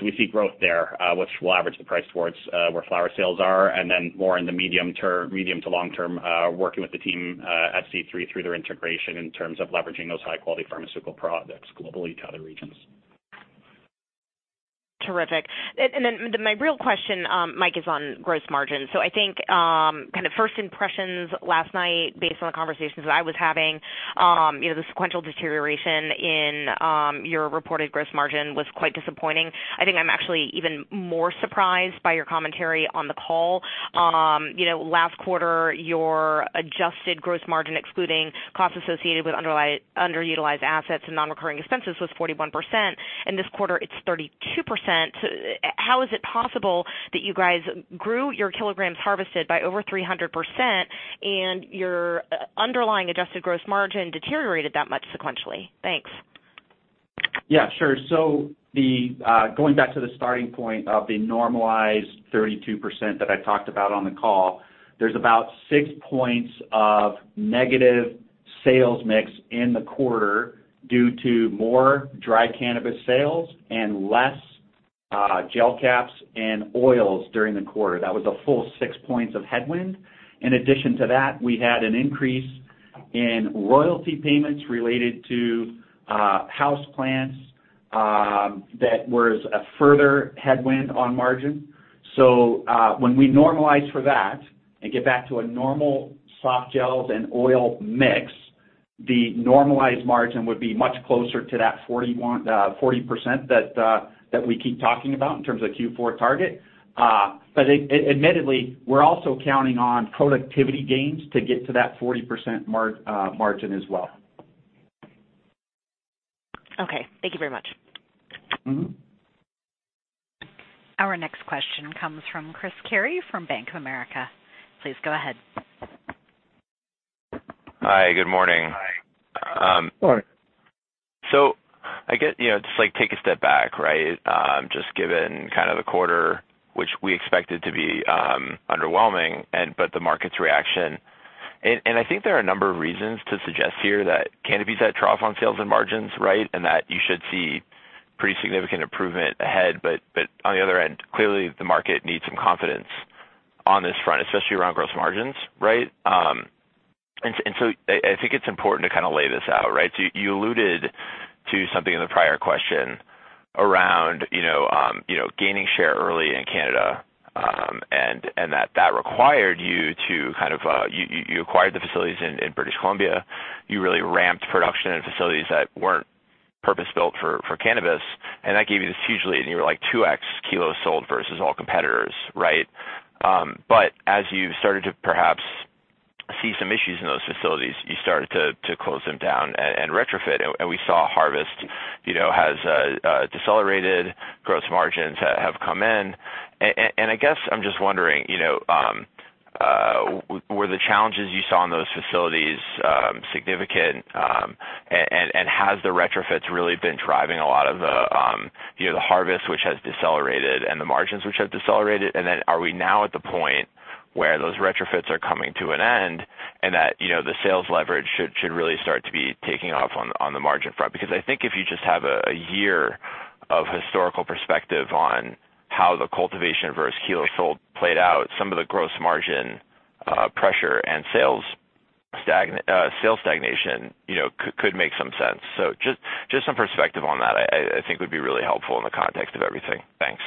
We see growth there, which will average the price towards where flower sales are, and then more in the medium to long term, working with the team at C3 through their integration in terms of leveraging those high-quality pharmaceutical products globally to other regions. Terrific. My real question, Mike, is on gross margin. I think first impressions last night, based on the conversations that I was having, the sequential deterioration in your reported gross margin was quite disappointing. I think I'm actually even more surprised by your commentary on the call. Last quarter, your adjusted gross margin, excluding costs associated with underutilized assets and non-recurring expenses, was 41%, and this quarter it's 32%. How is it possible that you guys grew your kilograms harvested by over 300% and your underlying adjusted gross margin deteriorated that much sequentially? Thanks. Yeah, sure. Going back to the starting point of the normalized 32% that I talked about on the call, there's about six points of negative sales mix in the quarter due to more dry cannabis sales and less gel caps and oils during the quarter. That was a full six points of headwind. In addition to that, we had an increase in royalty payments related to Houseplant that was a further headwind on margin. When we normalize for that and get back to a normal soft gels and oil mix, the normalized margin would be much closer to that 40% that we keep talking about in terms of Q4 target. Admittedly, we're also counting on productivity gains to get to that 40% margin as well. Okay. Thank you very much. Our next question comes from Chris Carey from Bank of America. Please go ahead. Hi, good morning. Morning. I guess, just take a step back. Just given the quarter, which we expected to be underwhelming, but the market's reaction, I think there are a number of reasons to suggest here that Canopy's at trough on sales and margins and that you should see pretty significant improvement ahead. On the other end, clearly the market needs some confidence on this front, especially around gross margins. Right? I think it's important to lay this out. You alluded to something in the prior question around gaining share early in Canada, and that required you to acquire the facilities in British Columbia. You really ramped production in facilities that weren't purpose-built for cannabis, and you were 2x kilos sold versus all competitors. As you started to perhaps see some issues in those facilities, you started to close them down and retrofit. We saw harvest has decelerated, gross margins have come in. I guess I'm just wondering, were the challenges you saw in those facilities significant? Has the retrofits really been driving a lot of the harvest, which has decelerated, and the margins which have decelerated? Are we now at the point where those retrofits are coming to an end and that the sales leverage should really start to be taking off on the margin front? I think if you just have a year of historical perspective on how the cultivation versus kilos sold played out, some of the gross margin pressure and sales stagnation could make some sense. Just some perspective on that I think would be really helpful in the context of everything. Thanks.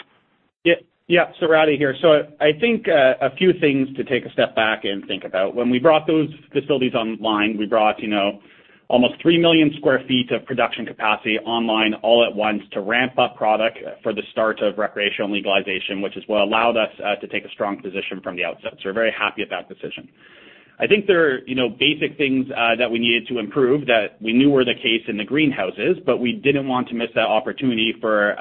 Yeah. Rade here. I think a few things to take a step back and think about. When we brought those facilities online, we brought almost 3 million square feet of production capacity online all at once to ramp up product for the start of recreational legalization, which is what allowed us to take a strong position from the outset. We're very happy at that decision. I think there are basic things that we needed to improve that we knew were the case in the greenhouses, but we didn't want to miss that opportunity for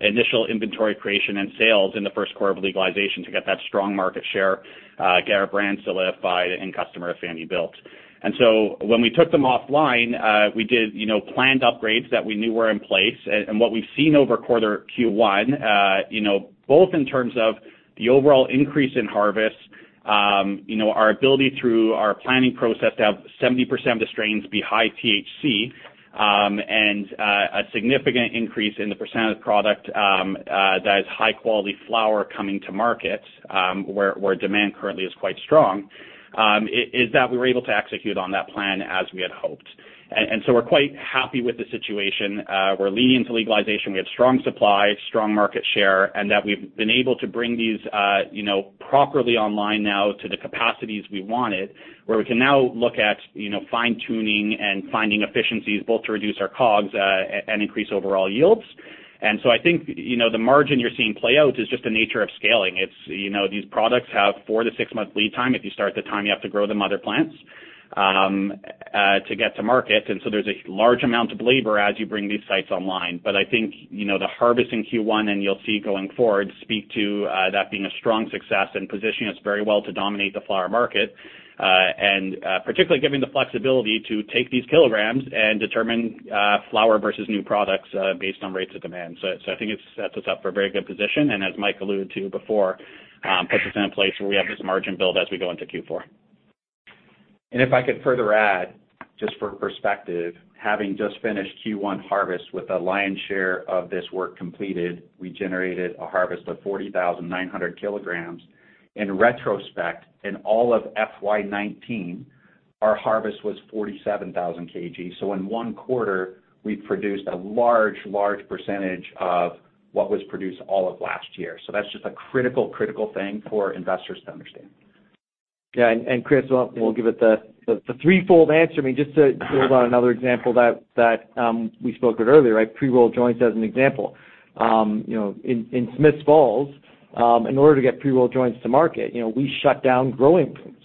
initial inventory creation and sales in the first quarter of legalization to get that strong market share, get our brand solidified and customer affinity built. When we took them offline, we did planned upgrades that we knew were in place. What we've seen over quarter Q1 both in terms of the overall increase in harvest, our ability through our planning process to have 70% of the strains be high THC and a significant increase in the percent of the product that is high quality flower coming to market, where demand currently is quite strong, is that we were able to execute on that plan as we had hoped. We're quite happy with the situation. We're leading to legalization. We have strong supply, strong market share, and that we've been able to bring these properly online now to the capacities we wanted, where we can now look at fine-tuning and finding efficiencies both to reduce our COGS and increase overall yields. I think the margin you're seeing play out is just the nature of scaling. These products have four to six-month lead time. If you start the time, you have to grow the mother plants to get to market. There's a large amount of labor as you bring these sites online. I think the harvest in Q1, and you'll see going forward, speak to that being a strong success and positioning us very well to dominate the flower market. Particularly giving the flexibility to take these kilograms and determine flower versus new products based on rates of demand. I think it sets us up for a very good position, and as Mike alluded to before, puts us in a place where we have this margin build as we go into Q4. If I could further add just for perspective, having just finished Q1 harvest with a lion's share of this work completed, we generated a harvest of 40,900 kg. In retrospect, in all of FY 2019, our harvest was 47,000 kg. In one quarter we produced a large percentage of what was produced all of last year. That's just a critical thing for investors to understand. Chris, we'll give it the threefold answer. I mean, just to build on another example that we spoke about earlier, pre-roll joints as an example. In Smiths Falls, in order to get pre-roll joints to market, we shut down growing rooms.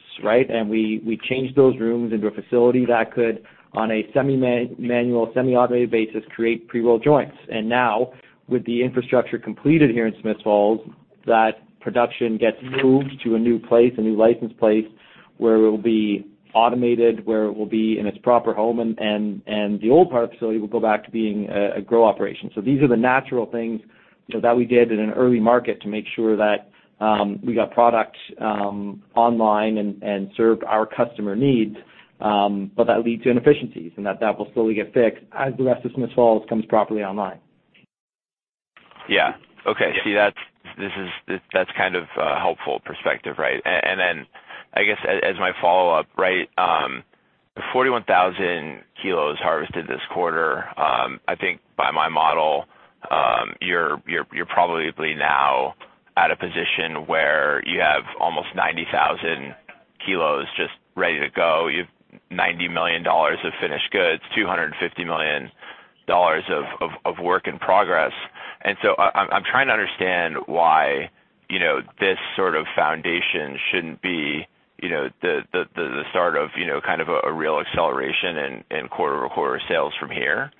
We changed those rooms into a facility that could, on a semi-manual, semi-automated basis, create pre-roll joints. Now with the infrastructure completed here in Smiths Falls, that production gets moved to a new place, a new licensed place where it will be automated, where it will be in its proper home, and the old part of the facility will go back to being a grow operation. These are the natural things that we did in an early market to make sure that we got product online and served our customer needs. That led to inefficiencies and that will slowly get fixed as the rest of Smiths Falls comes properly online. Yeah. Okay. See, that's kind of a helpful perspective. I guess as my follow-up, the 41,000 kilos harvested this quarter, I think by my model, you are probably now at a position where you have almost 90,000 kilos just ready to go. You have 90 million dollars of finished goods, 250 million dollars of work in progress. I am trying to understand why this sort of foundation shouldn't be the start of kind of a real acceleration in quarter-over-quarter sales from here.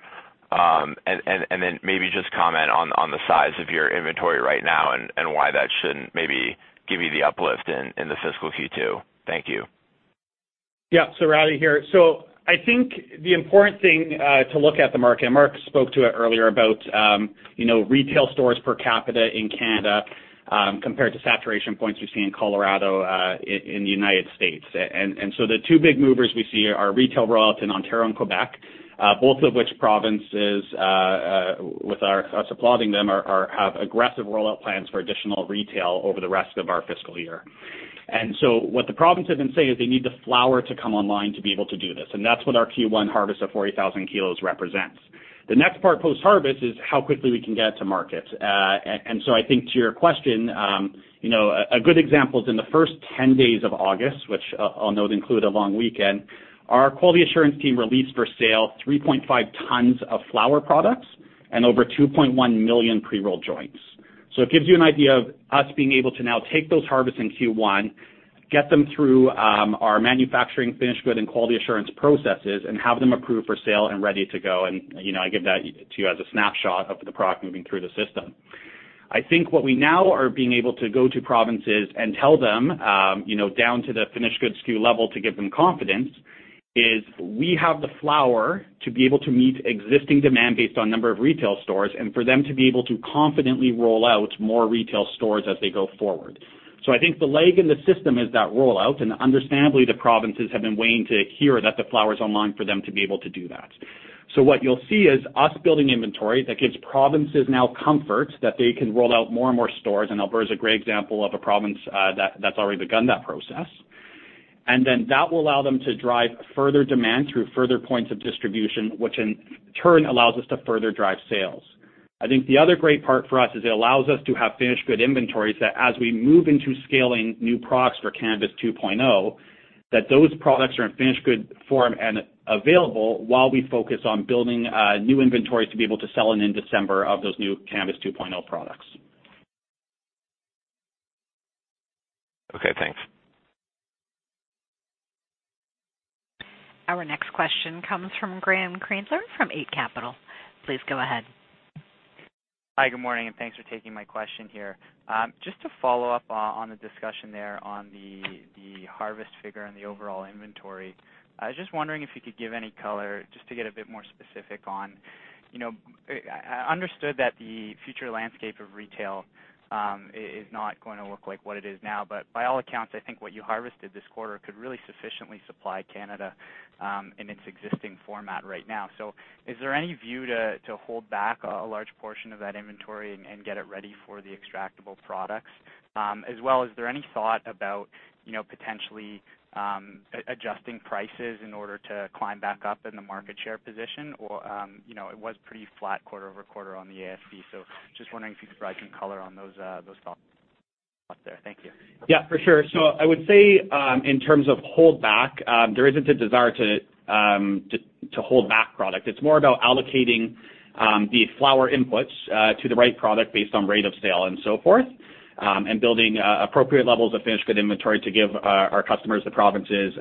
maybe just comment on the size of your inventory right now and why that shouldn't maybe give you the uplift in the fiscal Q2. Thank you. Rade here. I think the important thing to look at the market, and Mark spoke to it earlier about retail stores per capita in Canada compared to saturation points we see in Colorado, in the U.S. The two big movers we see are retail rollout in Ontario and Quebec, both of which provinces, with us applauding them, have aggressive rollout plans for additional retail over the rest of our fiscal year. What the provinces then say is they need the flower to come online to be able to do this, and that's what our Q1 harvest of 40,000 kilos represents. The next part post-harvest is how quickly we can get it to market. I think to your question, a good example is in the first 10 days of August, which I'll note include a long weekend, our quality assurance team released for sale 3.5 tons of flower products and over 2.1 million pre-roll joints. It gives you an idea of us being able to now take those harvests in Q1, get them through our manufacturing, finished good, and quality assurance processes, and have them approved for sale and ready to go. I give that to you as a snapshot of the product moving through the system. I think what we now are being able to go to provinces and tell them, down to the finished goods SKU level to give them confidence, is we have the flower to be able to meet existing demand based on number of retail stores and for them to be able to confidently roll out more retail stores as they go forward. I think the lag in the system is that rollout, and understandably, the provinces have been waiting to hear that the flower is online for them to be able to do that. What you'll see is us building inventory that gives provinces now comfort that they can roll out more and more stores, and Alberta is a great example of a province that's already begun that process. That will allow them to drive further demand through further points of distribution, which in turn allows us to further drive sales. I think the other great part for us is it allows us to have finished good inventories that as we move into scaling new products for Cannabis 2.0, that those products are in finished good form and available while we focus on building new inventories to be able to sell in December of those new Cannabis 2.0 products. Okay, thanks. Our next question comes from Graeme Kreindler from Eight Capital. Please go ahead. Hi, good morning, and thanks for taking my question here. Just to follow up on the discussion there on the harvest figure and the overall inventory. I was just wondering if you could give any color just to get a bit more specific on I understood that the future landscape of retail is not going to look like what it is now, but by all accounts, I think what you harvested this quarter could really sufficiently supply Canada in its existing format right now. Is there any view to hold back a large portion of that inventory and get it ready for the extractable products? As well, is there any thought about potentially adjusting prices in order to climb back up in the market share position? It was pretty flat quarter-over-quarter on the ASP, so just wondering if you could provide some color on those thoughts there. Thank you. Yeah, for sure. I would say, in terms of hold back, there isn't a desire to hold back product. It's more about allocating the flower inputs to the right product based on rate of sale and so forth, and building appropriate levels of finished good inventory to give our customers, the provinces,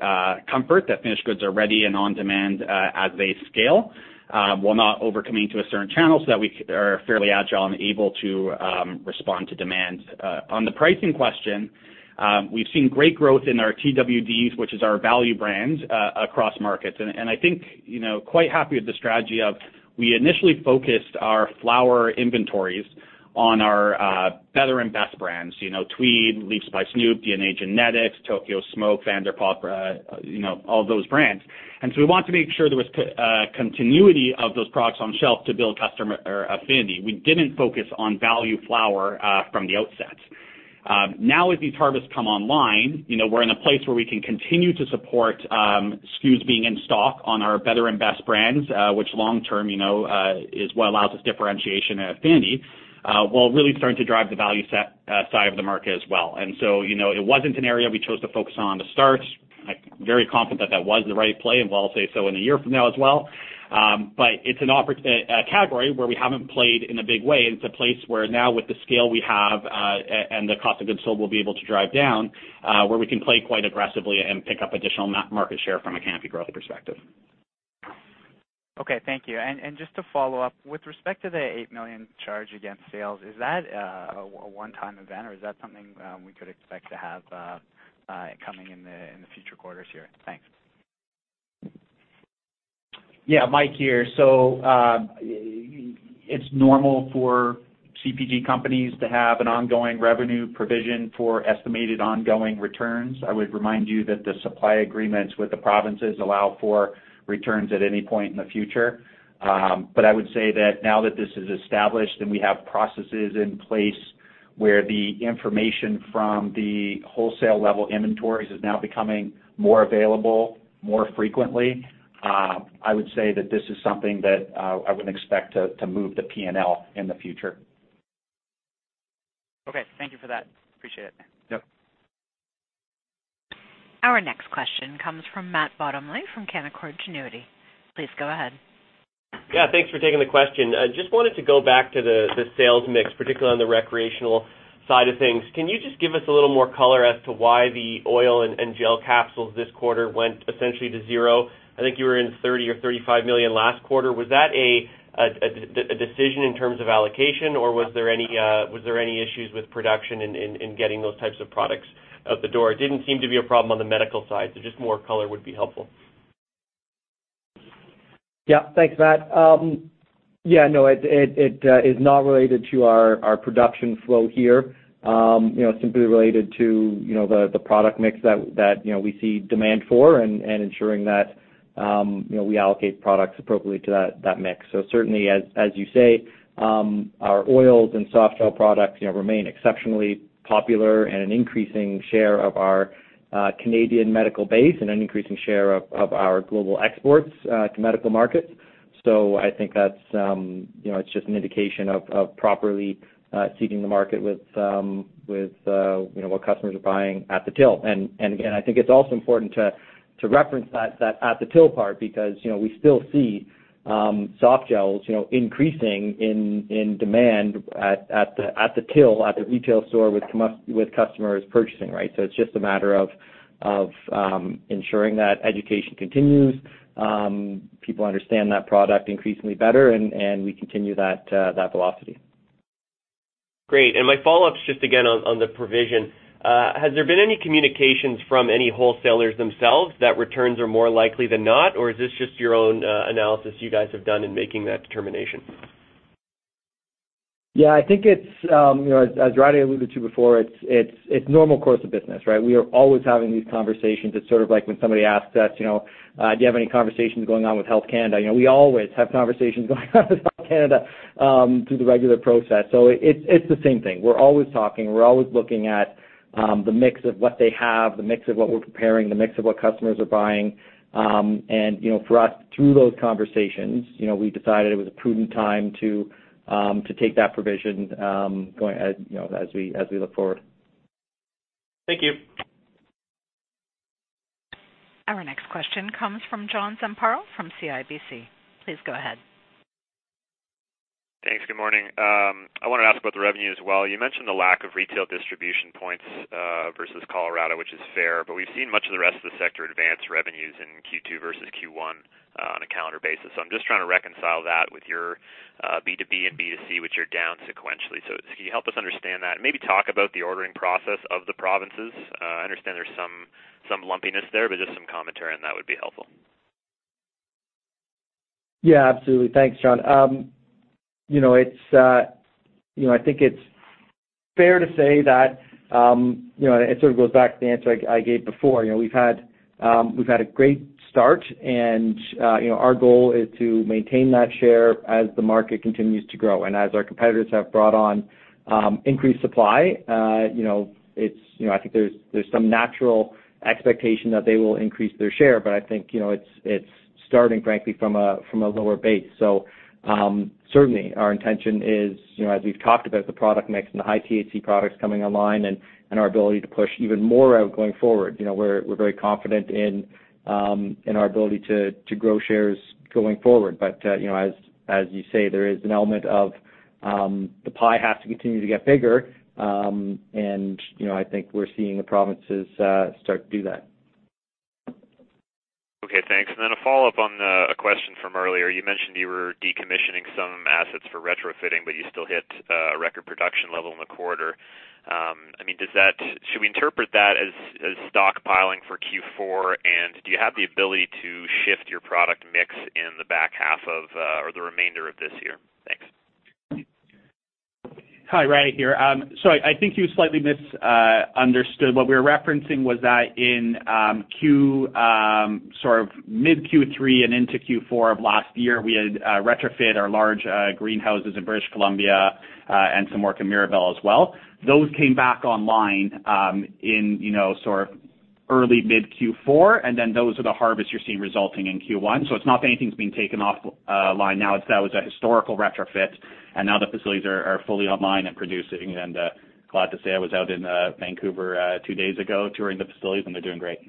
comfort that finished goods are ready and on demand as they scale, while not over-committing to a certain channel so that we are fairly agile and able to respond to demands. On the pricing question, we've seen great growth in our Twd., which is our value brands, across markets. I think quite happy with the strategy of we initially focused our flower inventories on our better and best brands. Tweed, Leafs By Snoop, DNA Genetics, Tokyo Smoke, Van der Pop, all those brands. We want to make sure there was continuity of those products on shelf to build customer affinity. We didn't focus on value flower from the outset. Now that these harvests come online, we're in a place where we can continue to support SKUs being in stock on our better and best brands, which long-term, is what allows us differentiation and affinity, while really starting to drive the value side of the market as well. It wasn't an area we chose to focus on to start. I'm very confident that was the right play, and will say so in a year from now as well. It's a category where we haven't played in a big way, and it's a place where now with the scale we have, and the cost of goods sold, we'll be able to drive down, where we can play quite aggressively and pick up additional market share from a Canopy Growth perspective. Okay. Thank you. Just to follow up, with respect to the 8 million charge against sales, is that a one-time event, or is that something we could expect to have coming in the future quarters here? Thanks. Mike here. It's normal for CPG companies to have an ongoing revenue provision for estimated ongoing returns. I would remind you that the supply agreements with the provinces allow for returns at any point in the future. I would say that now that this is established and we have processes in place where the information from the wholesale level inventories is now becoming more available more frequently, I would say that this is something that I wouldn't expect to move the P&L in the future. Okay. Thank you for that. Appreciate it. Yep. Our next question comes from Matt Bottomley from Canaccord Genuity. Please go ahead. Yeah, thanks for taking the question. Just wanted to go back to the sales mix, particularly on the recreational side of things. Can you just give us a little more color as to why the oil and gel capsules this quarter went essentially to zero? I think you were in 30 million or 35 million last quarter. Was that a decision in terms of allocation, or was there any issues with production in getting those types of products out the door? It didn't seem to be a problem on the medical side, so just more color would be helpful. Thanks, Matt. No, it is not related to our production flow here. Simply related to the product mix that we see demand for and ensuring that we allocate products appropriately to that mix. Certainly, as you say, our oils and softgel products remain exceptionally popular and an increasing share of our Canadian medical base and an increasing share of our global exports to medical markets. I think that it's just an indication of properly seeding the market with what customers are buying at the till. Again, I think it's also important to reference that at-the-till part, because we still see softgels increasing in demand at the till, at the retail store with customers purchasing. It's just a matter of ensuring that education continues, people understand that product increasingly better, and we continue that velocity. Great. My follow-up's just again on the provision. Has there been any communications from any wholesalers themselves that returns are more likely than not, or is this just your own analysis you guys have done in making that determination? Yeah, I think it's, as Rade alluded to before, it's normal course of business, right? We are always having these conversations. It's sort of like when somebody asks us, "Do you have any conversations going on with Health Canada?" We always have conversations going on with Health Canada through the regular process. It's the same thing. We're always talking, we're always looking at the mix of what they have, the mix of what we're preparing, the mix of what customers are buying. For us, through those conversations, we decided it was a prudent time to take that provision as we look forward. Thank you. Our next question comes from John Zamparo from CIBC. Please go ahead. Thanks. Good morning. I want to ask about the revenue as well. You mentioned the lack of retail distribution points versus Colorado, which is fair, but we've seen much of the rest of the sector advance revenues in Q2 versus Q1 on a calendar basis. I'm just trying to reconcile that with your B2B and B2C, which are down sequentially. Can you help us understand that and maybe talk about the ordering process of the provinces? I understand there's some lumpiness there, but just some commentary on that would be helpful. Yeah, absolutely. Thanks, John. I think it's fair to say that, it sort of goes back to the answer I gave before. We've had a great start our goal is to maintain that share as the market continues to grow. As our competitors have brought on increased supply, I think there's some natural expectation that they will increase their share. I think it's starting, frankly, from a lower base. Certainly, our intention is, as we've talked about the product mix and the high THC products coming online and our ability to push even more out going forward. We're very confident in our ability to grow shares going forward. As you say, there is an element of the pie has to continue to get bigger, I think we're seeing the provinces start to do that. Okay, thanks. A follow-up on a question from earlier. You mentioned you were decommissioning some assets for retrofitting, you still hit a record production level in the quarter. Should we interpret that as stockpiling for Q4, do you have the ability to shift your product mix in the back half of, or the remainder of this year? Thanks. Hi, Rade here. Sorry, I think you slightly misunderstood. What we were referencing was that in mid-Q3 and into Q4 of last year, we had retrofit our large greenhouses in British Columbia, and some work in Mirabel as well. Those came back online in early mid-Q4, and then those are the harvests you're seeing resulting in Q1. It's not that anything's been taken offline now. That was a historical retrofit, and now the facilities are fully online and producing. Glad to say I was out in Vancouver two days ago touring the facilities, and they're doing great.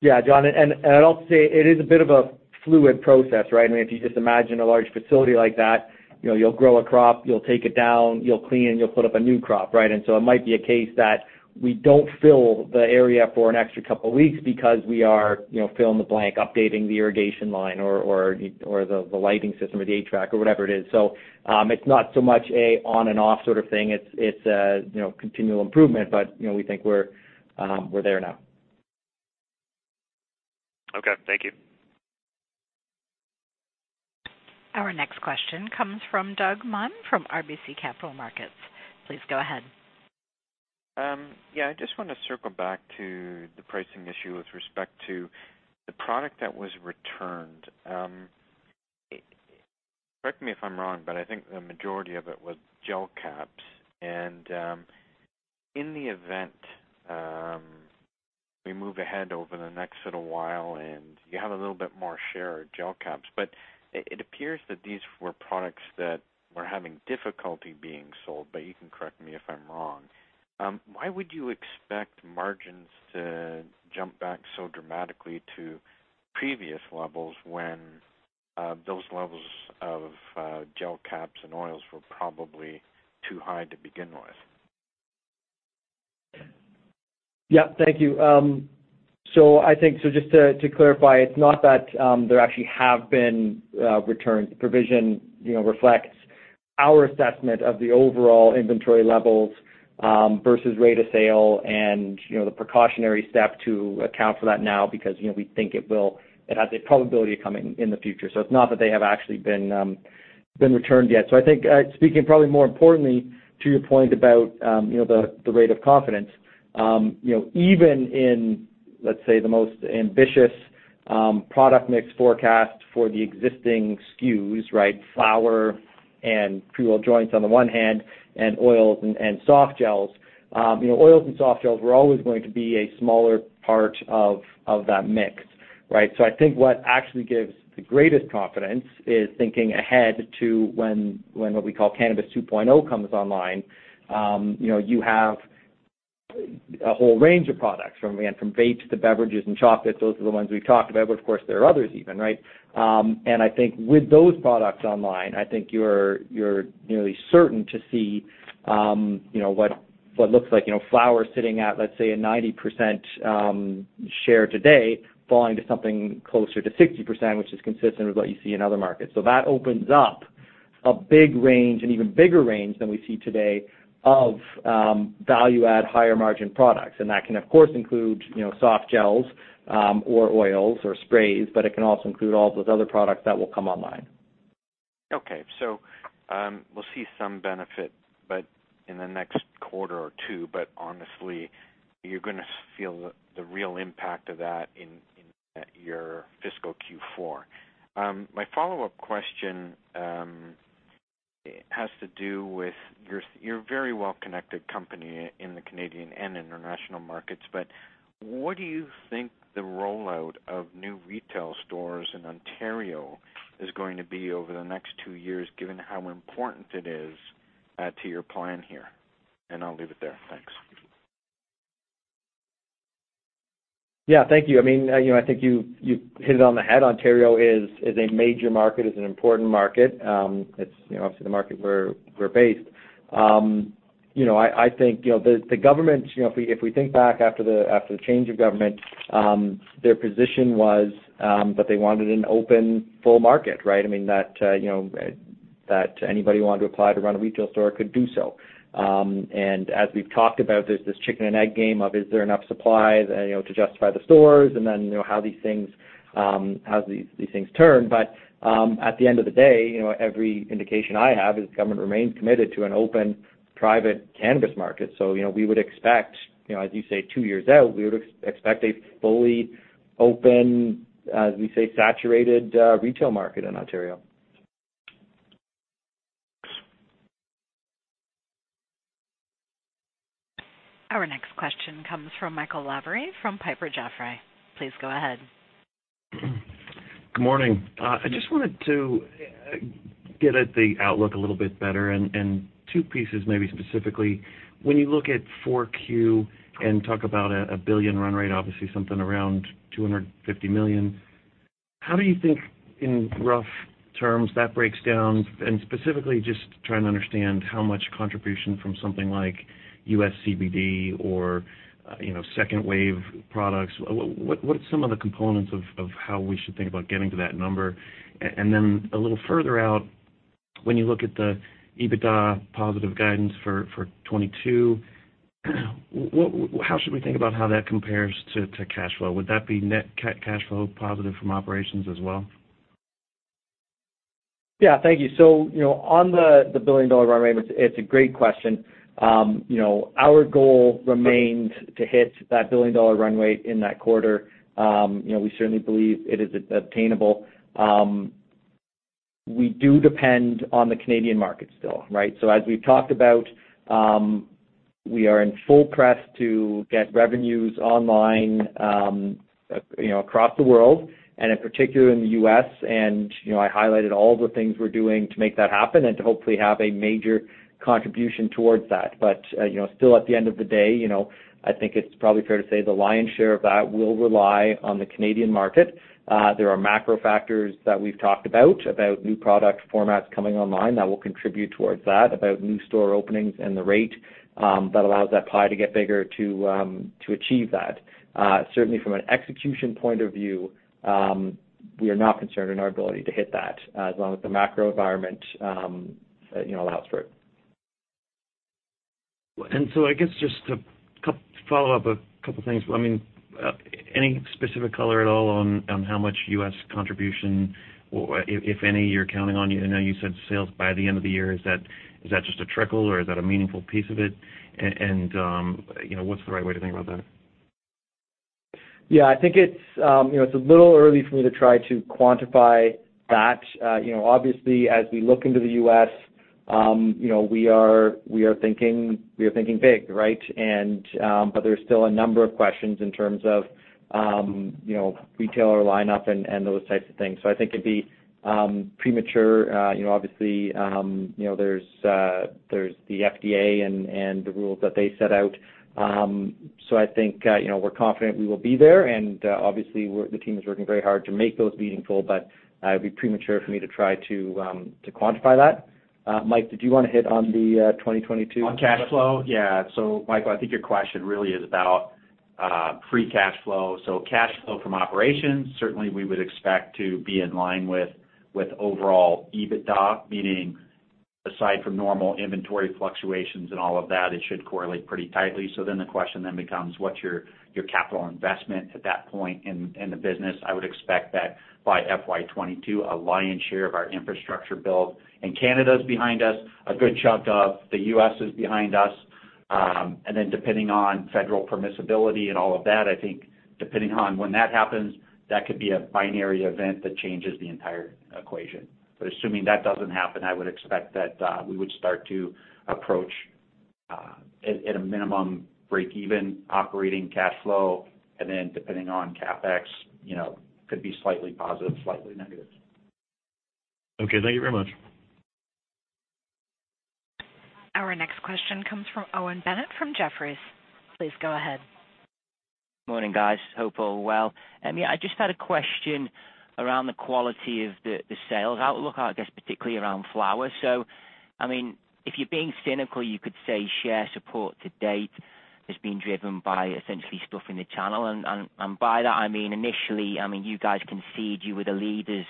Yeah, John, I'd also say it is a bit of a fluid process, right? If you just imagine a large facility like that, you'll grow a crop, you'll take it down, you'll clean and you'll put up a new crop, right? It might be a case that we don't fill the area for an extra couple of weeks because we are, fill in the blank, updating the irrigation line or the lighting system or the HVAC or whatever it is. It's not so much a on and off sort of thing. It's continual improvement, but we think we're there now. Okay. Thank you. Our next question comes from Doug Miehm from RBC Capital Markets. Please go ahead. Yeah, I just want to circle back to the pricing issue with respect to the product that was returned. Correct me if I'm wrong, I think the majority of it was gel caps. In the event we move ahead over the next little while and you have a little bit more share of gel caps, but it appears that these were products that were having difficulty being sold, you can correct me if I'm wrong. Why would you expect margins to jump back so dramatically to previous levels when those levels of gel caps and oils were probably too high to begin with? Thank you. Just to clarify, it's not that there actually have been returns. The provision reflects our assessment of the overall inventory levels versus rate of sale and the precautionary step to account for that now because we think it has a probability of coming in the future. It's not that they have actually been returned yet. I think, speaking probably more importantly to your point about the rate of confidence, even in, let's say, the most ambitious product mix forecast for the existing SKUs, flower and pre-rolled joints on the one hand, and oils and soft gels. Oils and soft gels were always going to be a smaller part of that mix, right? I think what actually gives the greatest confidence is thinking ahead to when what we call Cannabis 2.0 comes online. You have a whole range of products, from vapes to beverages and chocolates. Those are the ones we've talked about, but of course, there are others even, right? I think with those products online, I think you're nearly certain to see what looks like flower sitting at, let's say, a 90% share today, falling to something closer to 60%, which is consistent with what you see in other markets. That opens up a big range, an even bigger range than we see today of value-add, higher margin products. That can, of course, include soft gels or oils or sprays, but it can also include all those other products that will come online. Okay. We'll see some benefit in the next quarter or two, but honestly, you're going to feel the real impact of that in your fiscal Q4. My follow-up question has to do with, you're a very well-connected company in the Canadian and international markets, but what do you think the rollout of new retail stores in Ontario is going to be over the next two years, given how important it is to your plan here? I'll leave it there. Thanks. Yeah. Thank you. I think you hit it on the head. Ontario is a major market, is an important market. It's obviously the market we're based. If we think back after the change of government, their position was that they wanted an open, full market, right? That anybody who wanted to apply to run a retail store could do so. As we've talked about, there's this chicken and egg game of is there enough supply to justify the stores and then how these things turn. At the end of the day, every indication I have is the government remains committed to an open, private cannabis market. We would expect, as you say, two years out, we would expect a fully open, as we say, saturated retail market in Ontario. Thanks. Our next question comes from Michael Lavery from Piper Jaffray. Please go ahead. Good morning. I just wanted to get at the outlook a little bit better and two pieces maybe specifically. When you look at 4Q and talk about a 1 billion run rate, obviously something around 250 million, how do you think, in rough terms, that breaks down? Specifically, just trying to understand how much contribution from something like U.S. CBD or second wave products. What are some of the components of how we should think about getting to that number? Then a little further out, when you look at the EBITDA positive guidance for 2022, how should we think about how that compares to cash flow? Would that be net cash flow positive from operations as well? Thank you. On the billion-dollar run rate, it's a great question. Our goal remains to hit that billion-dollar run rate in that quarter. We certainly believe it is attainable. We do depend on the Canadian market still, right? As we've talked about, we are in full press to get revenues online across the world, and in particular in the U.S. and I highlighted all of the things we're doing to make that happen and to hopefully have a major contribution towards that. Still at the end of the day, I think it's probably fair to say the lion's share of that will rely on the Canadian market. There are macro factors that we've talked about new product formats coming online that will contribute towards that, about new store openings and the rate that allows that pie to get bigger to achieve that. Certainly from an execution point of view, we are not concerned in our ability to hit that, as long as the macro environment allows for it. I guess just to follow up a couple things. Any specific color at all on how much U.S. contribution, if any, you're counting on? I know you said sales by the end of the year. Is that just a trickle or is that a meaningful piece of it? What's the right way to think about that? I think it's a little early for me to try to quantify that. Obviously, as we look into the U.S. we are thinking big, right? There's still a number of questions in terms of retailer lineup and those types of things. I think it'd be premature. Obviously, there's the FDA and the rules that they set out. I think we're confident we will be there, and obviously the team is working very hard to make those meaningful, but it'd be premature for me to try to quantify that. Mike, did you want to hit on the 2022- On cash flow? Yeah. Michael, I think your question really is about free cash flow. Cash flow from operations, certainly we would expect to be in line with overall EBITDA, meaning aside from normal inventory fluctuations and all of that, it should correlate pretty tightly. The question then becomes what's your capital investment at that point in the business? I would expect that by FY 2022, a lion's share of our infrastructure build in Canada is behind us, a good chunk of the U.S. is behind us, and then depending on federal permissibility and all of that, I think depending on when that happens, that could be a binary event that changes the entire equation. Assuming that doesn't happen, I would expect that we would start to approach, at a minimum, breakeven operating cash flow, and then depending on CapEx, could be slightly positive, slightly negative. Okay. Thank you very much. Our next question comes from Owen Bennett from Jefferies. Please go ahead. Morning, guys. Hope all are well. I just had a question around the quality of the sales outlook, I guess particularly around flower. If you're being cynical, you could say share support to date has been driven by essentially stuffing the channel, and by that I mean initially you guys concede you were the leaders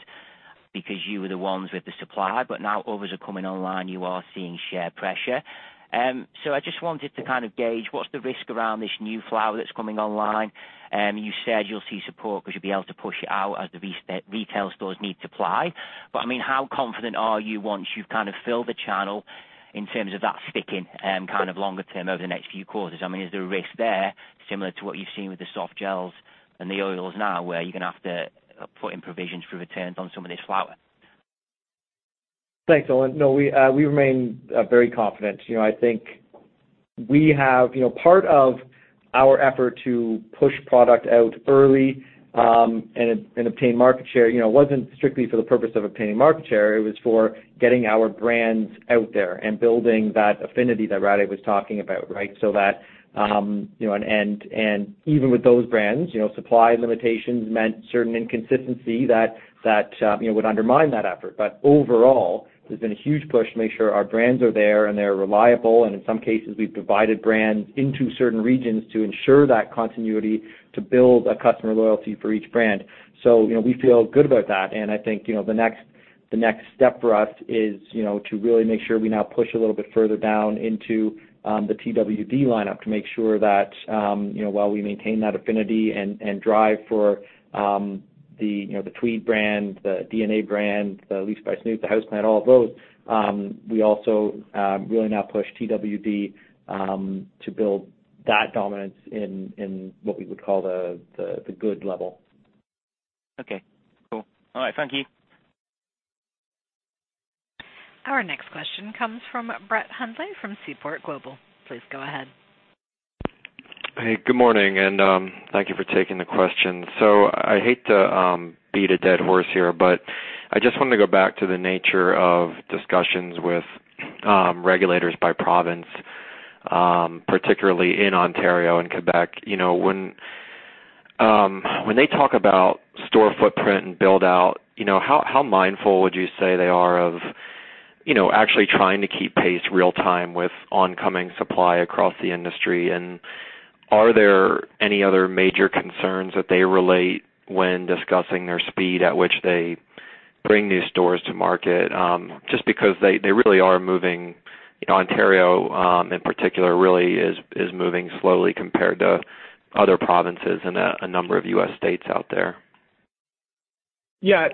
because you were the ones with the supply, but now others are coming online, you are seeing share pressure. I just wanted to kind of gauge what's the risk around this new flower that's coming online? You said you'll see support because you'll be able to push it out as the retail stores need supply. How confident are you once you've kind of filled the channel in terms of that sticking kind of longer term over the next few quarters? Is there a risk there similar to what you've seen with the soft gels and the oils now, where you're going to have to put in provisions for returns on some of this flower? Thanks, Owen. We remain very confident. Part of our effort to push product out early and obtain market share wasn't strictly for the purpose of obtaining market share, it was for getting our brands out there and building that affinity that Rade was talking about, right? Even with those brands, supply limitations meant certain inconsistency that would undermine that effort. Overall, there's been a huge push to make sure our brands are there and they're reliable, and in some cases, we've divided brands into certain regions to ensure that continuity to build a customer loyalty for each brand. We feel good about that, and I think the next step for us is to really make sure we now push a little bit further down into the Twd. lineup to make sure that while we maintain that affinity and drive for the Tweed brand, the DNA brand, the Leafs By Snoop, the Houseplant, all of those, we also really now push Twd. to build that dominance in what we would call the good level. Okay, cool. All right. Thank you. Our next question comes from Brett Hundley from Seaport Global. Please go ahead. Hey, good morning, and thank you for taking the question. I hate to beat a dead horse here, but I just wanted to go back to the nature of discussions with regulators by province, particularly in Ontario and Quebec. When they talk about store footprint and build out, how mindful would you say they are of actually trying to keep pace real time with oncoming supply across the industry? Are there any other major concerns that they relate when discussing their speed at which they bring these stores to market? Just because they really are moving Ontario in particular really is moving slowly compared to other provinces and a number of U.S. states out there. Yeah.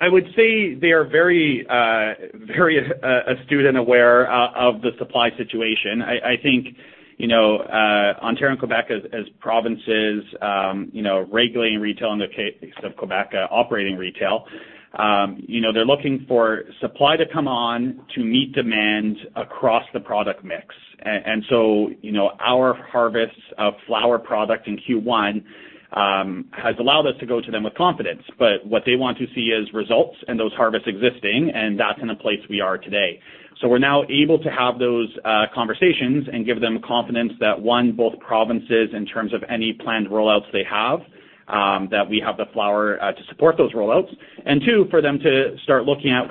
I would say they are very astute and aware of the supply situation. I think Ontario and Quebec as provinces regulating retail, in the case of Quebec, operating retail. They're looking for supply to come on to meet demand across the product mix. Our harvests of flower product in Q1 has allowed us to go to them with confidence. What they want to see is results and those harvests existing, and that's in the place we are today. We're now able to have those conversations and give them confidence that, one, both provinces, in terms of any planned rollouts they have, that we have the flower to support those rollouts. Two, for them to start looking at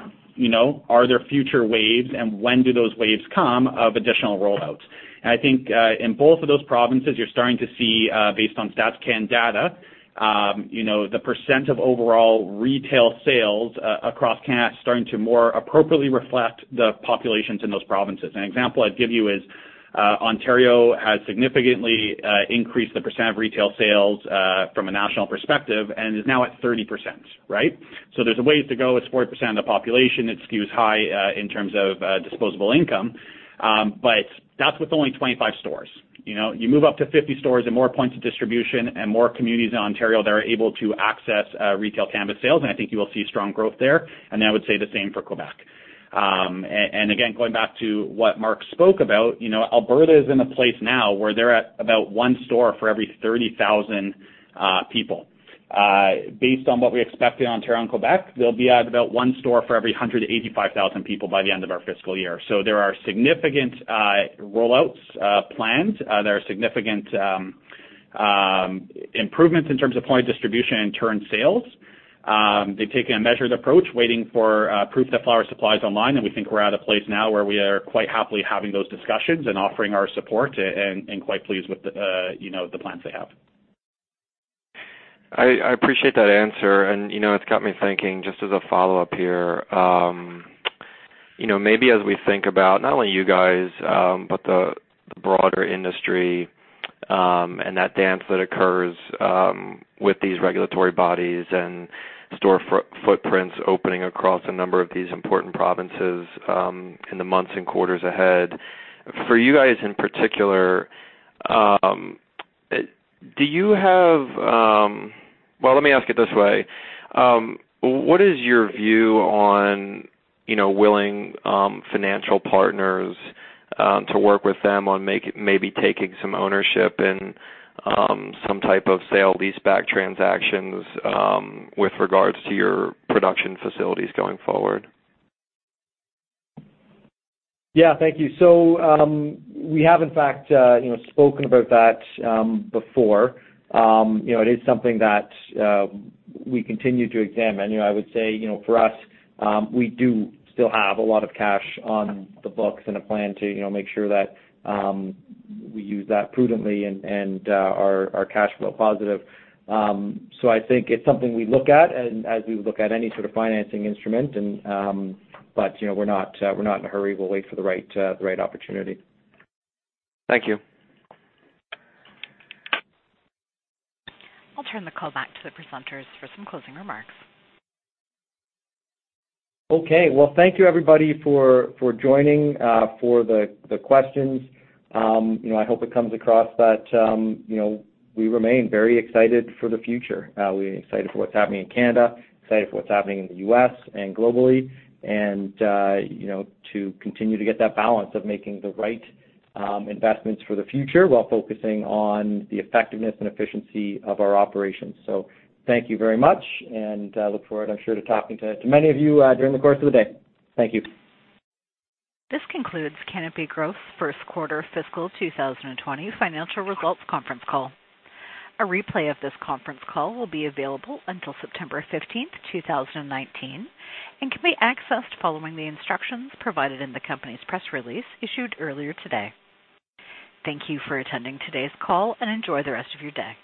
are there future waves, and when do those waves come of additional rollouts? I think, in both of those provinces, you're starting to see, based on Statistics Canada data, the percent of overall retail sales across Canada starting to more appropriately reflect the populations in those provinces. Example I'd give you is Ontario has significantly increased the percent of retail sales from a national perspective and is now at 30%. Right? There's a ways to go. It's 40% of the population. It skews high in terms of disposable income. That's with only 25 stores. You move up to 50 stores and more points of distribution and more communities in Ontario that are able to access retail cannabis sales, and I think you will see strong growth there. I would say the same for Quebec. Again, going back to what Mark spoke about, Alberta is in a place now where they're at about one store for every 30,000 people. Based on what we expect in Ontario and Quebec, they'll be at about one store for every 185,000 people by the end of our fiscal year. There are significant rollouts planned. There are significant improvements in terms of point of distribution and turn sales. They've taken a measured approach, waiting for proof that flower supply is online, and we think we're at a place now where we are quite happily having those discussions and offering our support and quite pleased with the plans they have. I appreciate that answer, and it's got me thinking, just as a follow-up here. Maybe as we think about not only you guys but the broader industry and that dance that occurs with these regulatory bodies and store footprints opening across a number of these important provinces in the months and quarters ahead. For you guys in particular. Well, let me ask it this way. What is your view on willing financial partners to work with them on maybe taking some ownership in some type of sale-leaseback transactions with regards to your production facilities going forward? Yeah. Thank you. We have, in fact, spoken about that before. It is something that we continue to examine. I would say, for us, we do still have a lot of cash on the books and a plan to make sure that we use that prudently and are cash flow positive. I think it's something we look at as we look at any sort of financing instrument, but we're not in a hurry. We'll wait for the right opportunity. Thank you. I'll turn the call back to the presenters for some closing remarks. Okay. Well, thank you everybody for joining, for the questions. I hope it comes across that we remain very excited for the future. We're excited for what's happening in Canada, excited for what's happening in the U.S. and globally. To continue to get that balance of making the right investments for the future while focusing on the effectiveness and efficiency of our operations. Thank you very much, and look forward, I'm sure, to talking to many of you during the course of the day. Thank you. This concludes Canopy Growth first quarter fiscal 2020 financial results conference call. A replay of this conference call will be available until September 15th, 2019 and can be accessed following the instructions provided in the company's press release issued earlier today. Thank you for attending today's call, and enjoy the rest of your day.